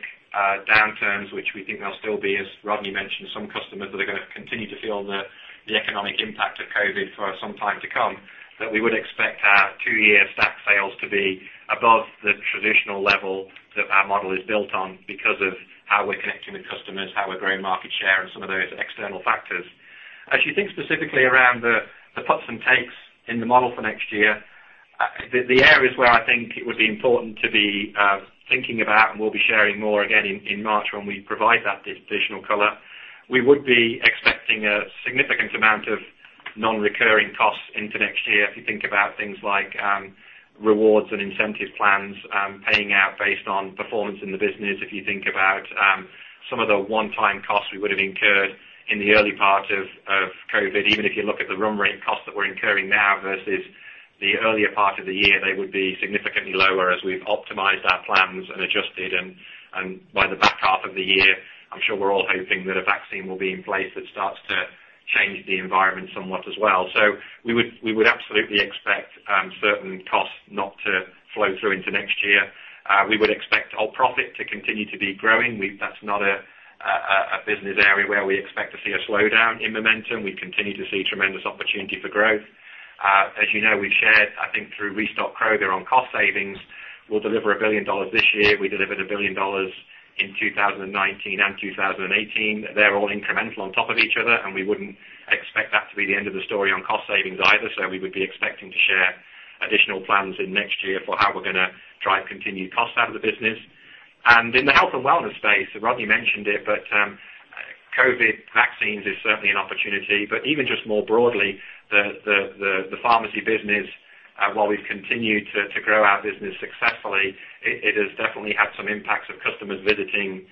[SPEAKER 4] downturns, which we think there'll still be, as Rodney mentioned, some customers that are going to continue to feel the economic impact of COVID for some time to come, that we would expect our two-year stack sales to be above the traditional level that our model is built on because of how we're connecting with customers, how we're growing market share, and some of those external factors. As you think specifically around the puts and takes in the model for next year, the areas where I think it would be important to be thinking about, and we'll be sharing more again in March when we provide that additional color, we would be expecting a significant amount of non-recurring costs into next year. If you think about things like rewards and incentive plans, paying out based on performance in the business. If you think about some of the one-time costs we would have incurred in the early part of COVID, even if you look at the run rate costs that we're incurring now versus the earlier part of the year, they would be significantly lower as we've optimized our plans and adjusted. By the back half of the year, I'm sure we're all hoping that a vaccine will be in place that starts to change the environment somewhat as well. We would absolutely expect certain costs not to flow through into next year. We would expect our profit to continue to be growing. That's not a business area where we expect to see a slowdown in momentum. We continue to see tremendous opportunity for growth. As you know, we've shared, I think through Restock Kroger on cost savings, we'll deliver $1 billion this year. We delivered $1 billion in 2019 and 2018. They're all incremental on top of each other. We wouldn't expect that to be the end of the story on cost savings either. We would be expecting to share additional plans in next year for how we’re going to drive continued cost out of the business. In the health and wellness space, Rodney mentioned it, but COVID vaccines is certainly an opportunity. Even just more broadly, the pharmacy business, while we’ve continued to grow our business successfully, it has definitely had some impacts of customers visiting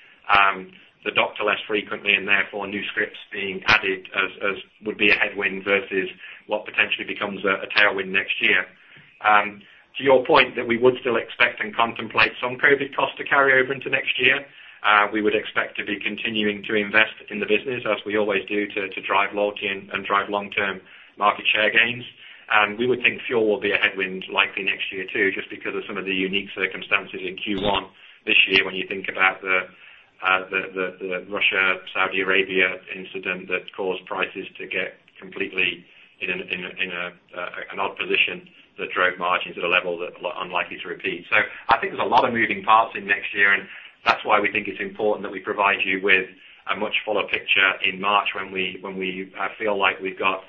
[SPEAKER 4] the doctor less frequently and therefore new scripts being added as would be a headwind versus what potentially becomes a tailwind next year. To your point, that we would still expect and contemplate some COVID costs to carry over into next year. We would expect to be continuing to invest in the business as we always do, to drive loyalty and drive long-term market share gains. We would think fuel will be a headwind likely next year, too, just because of some of the unique circumstances in Q1 this year when you think about the Russia, Saudi Arabia incident that caused prices to get completely in an odd position that drove margins at a level that are unlikely to repeat. I think there's a lot of moving parts in next year, and that's why we think it's important that we provide you with a much fuller picture in March when we feel like we've got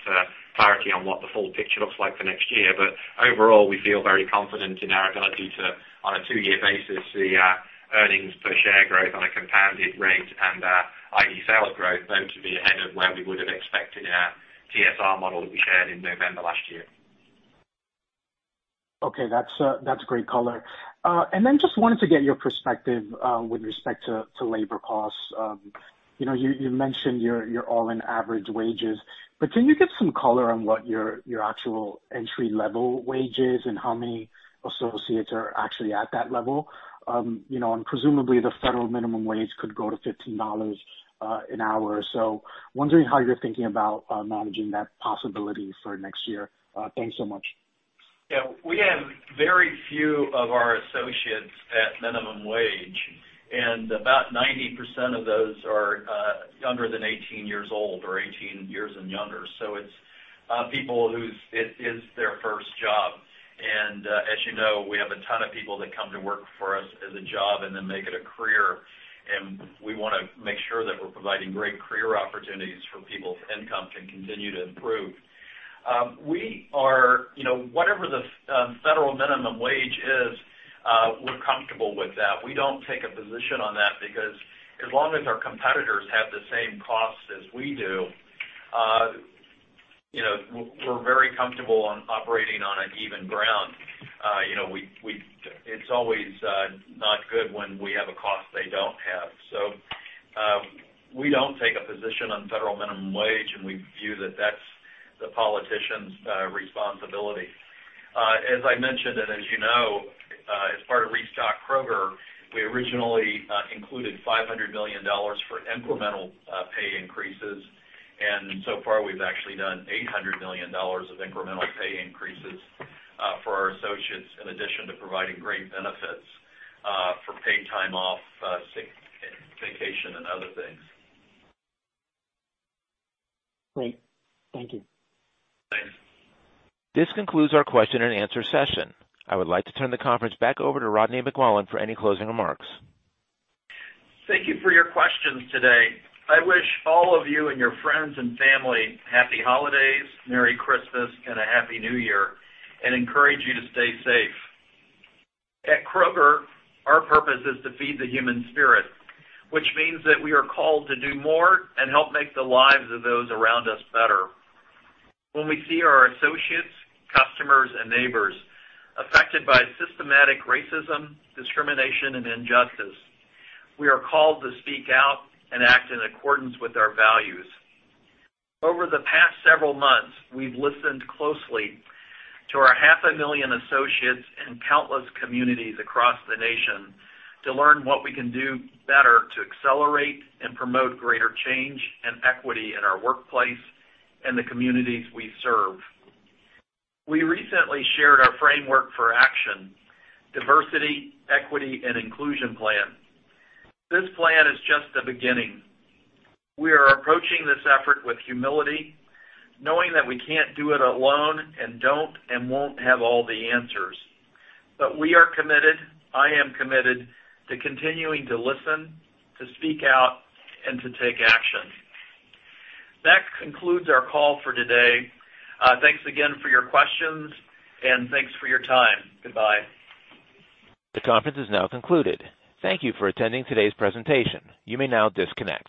[SPEAKER 4] clarity on what the full picture looks like for next year. Overall, we feel very confident in our ability to, on a two-year basis, see our earnings per share growth on a compounded rate and our ID sales growth both to be ahead of where we would have expected in our TSR model that we shared in November last year.
[SPEAKER 10] Okay. That's great color. Just wanted to get your perspective with respect to labor costs. You mentioned your all-in average wages, but can you give some color on what your actual entry-level wage is and how many associates are actually at that level? Presumably, the federal minimum wage could go to $15 an hour. Wondering how you're thinking about managing that possibility for next year. Thanks so much.
[SPEAKER 3] We have very few of our associates at minimum wage. About 90% of those are younger than 18 years old or 18 years and younger. It's people who it is their first job. As you know, we have a ton of people that come to work for us as a job and then make it a career. We want to make sure that we're providing great career opportunities for people's income to continue to improve. Whatever the federal minimum wage is, we're comfortable with that. We don't take a position on that because as long as our competitors have the same costs as we do, we're very comfortable on operating on an even ground. It's always not good when we have a cost they don't have. We don't take a position on federal minimum wage, and we view that that's the politician's responsibility. As I mentioned, and as you know, as part of Restock Kroger, we originally included $500 million for incremental pay increases. So far, we've actually done $800 million of incremental pay increases for our associates, in addition to providing great benefits for paid time off, sick, vacation, and other things.
[SPEAKER 10] Great. Thank you.
[SPEAKER 3] Thanks.
[SPEAKER 1] This concludes our question-and-answer session. I would like to turn the conference back over to Rodney McMullen for any closing remarks.
[SPEAKER 3] Thank you for your questions today. I wish all of you and your friends and family happy holidays, Merry Christmas, and a Happy New Year, and encourage you to stay safe. At Kroger, our purpose is to feed the human spirit, which means that we are called to do more and help make the lives of those around us better. When we see our associates, customers, and neighbors affected by systematic racism, discrimination, and injustice, we are called to speak out and act in accordance with our values. Over the past several months, we've listened closely to our 500,000 associates and countless communities across the nation to learn what we can do better to accelerate and promote greater change and equity in our workplace and the communities we serve. We recently shared our Framework for Action, Diversity, Equity, and Inclusion Plan. This plan is just the beginning. We are approaching this effort with humility, knowing that we can't do it alone and don't and won't have all the answers. We are committed, I am committed to continuing to listen, to speak out, and to take action. That concludes our call for today. Thanks again for your questions, and thanks for your time. Goodbye.
[SPEAKER 1] The conference is now concluded. Thank you for attending today's presentation. You may now disconnect.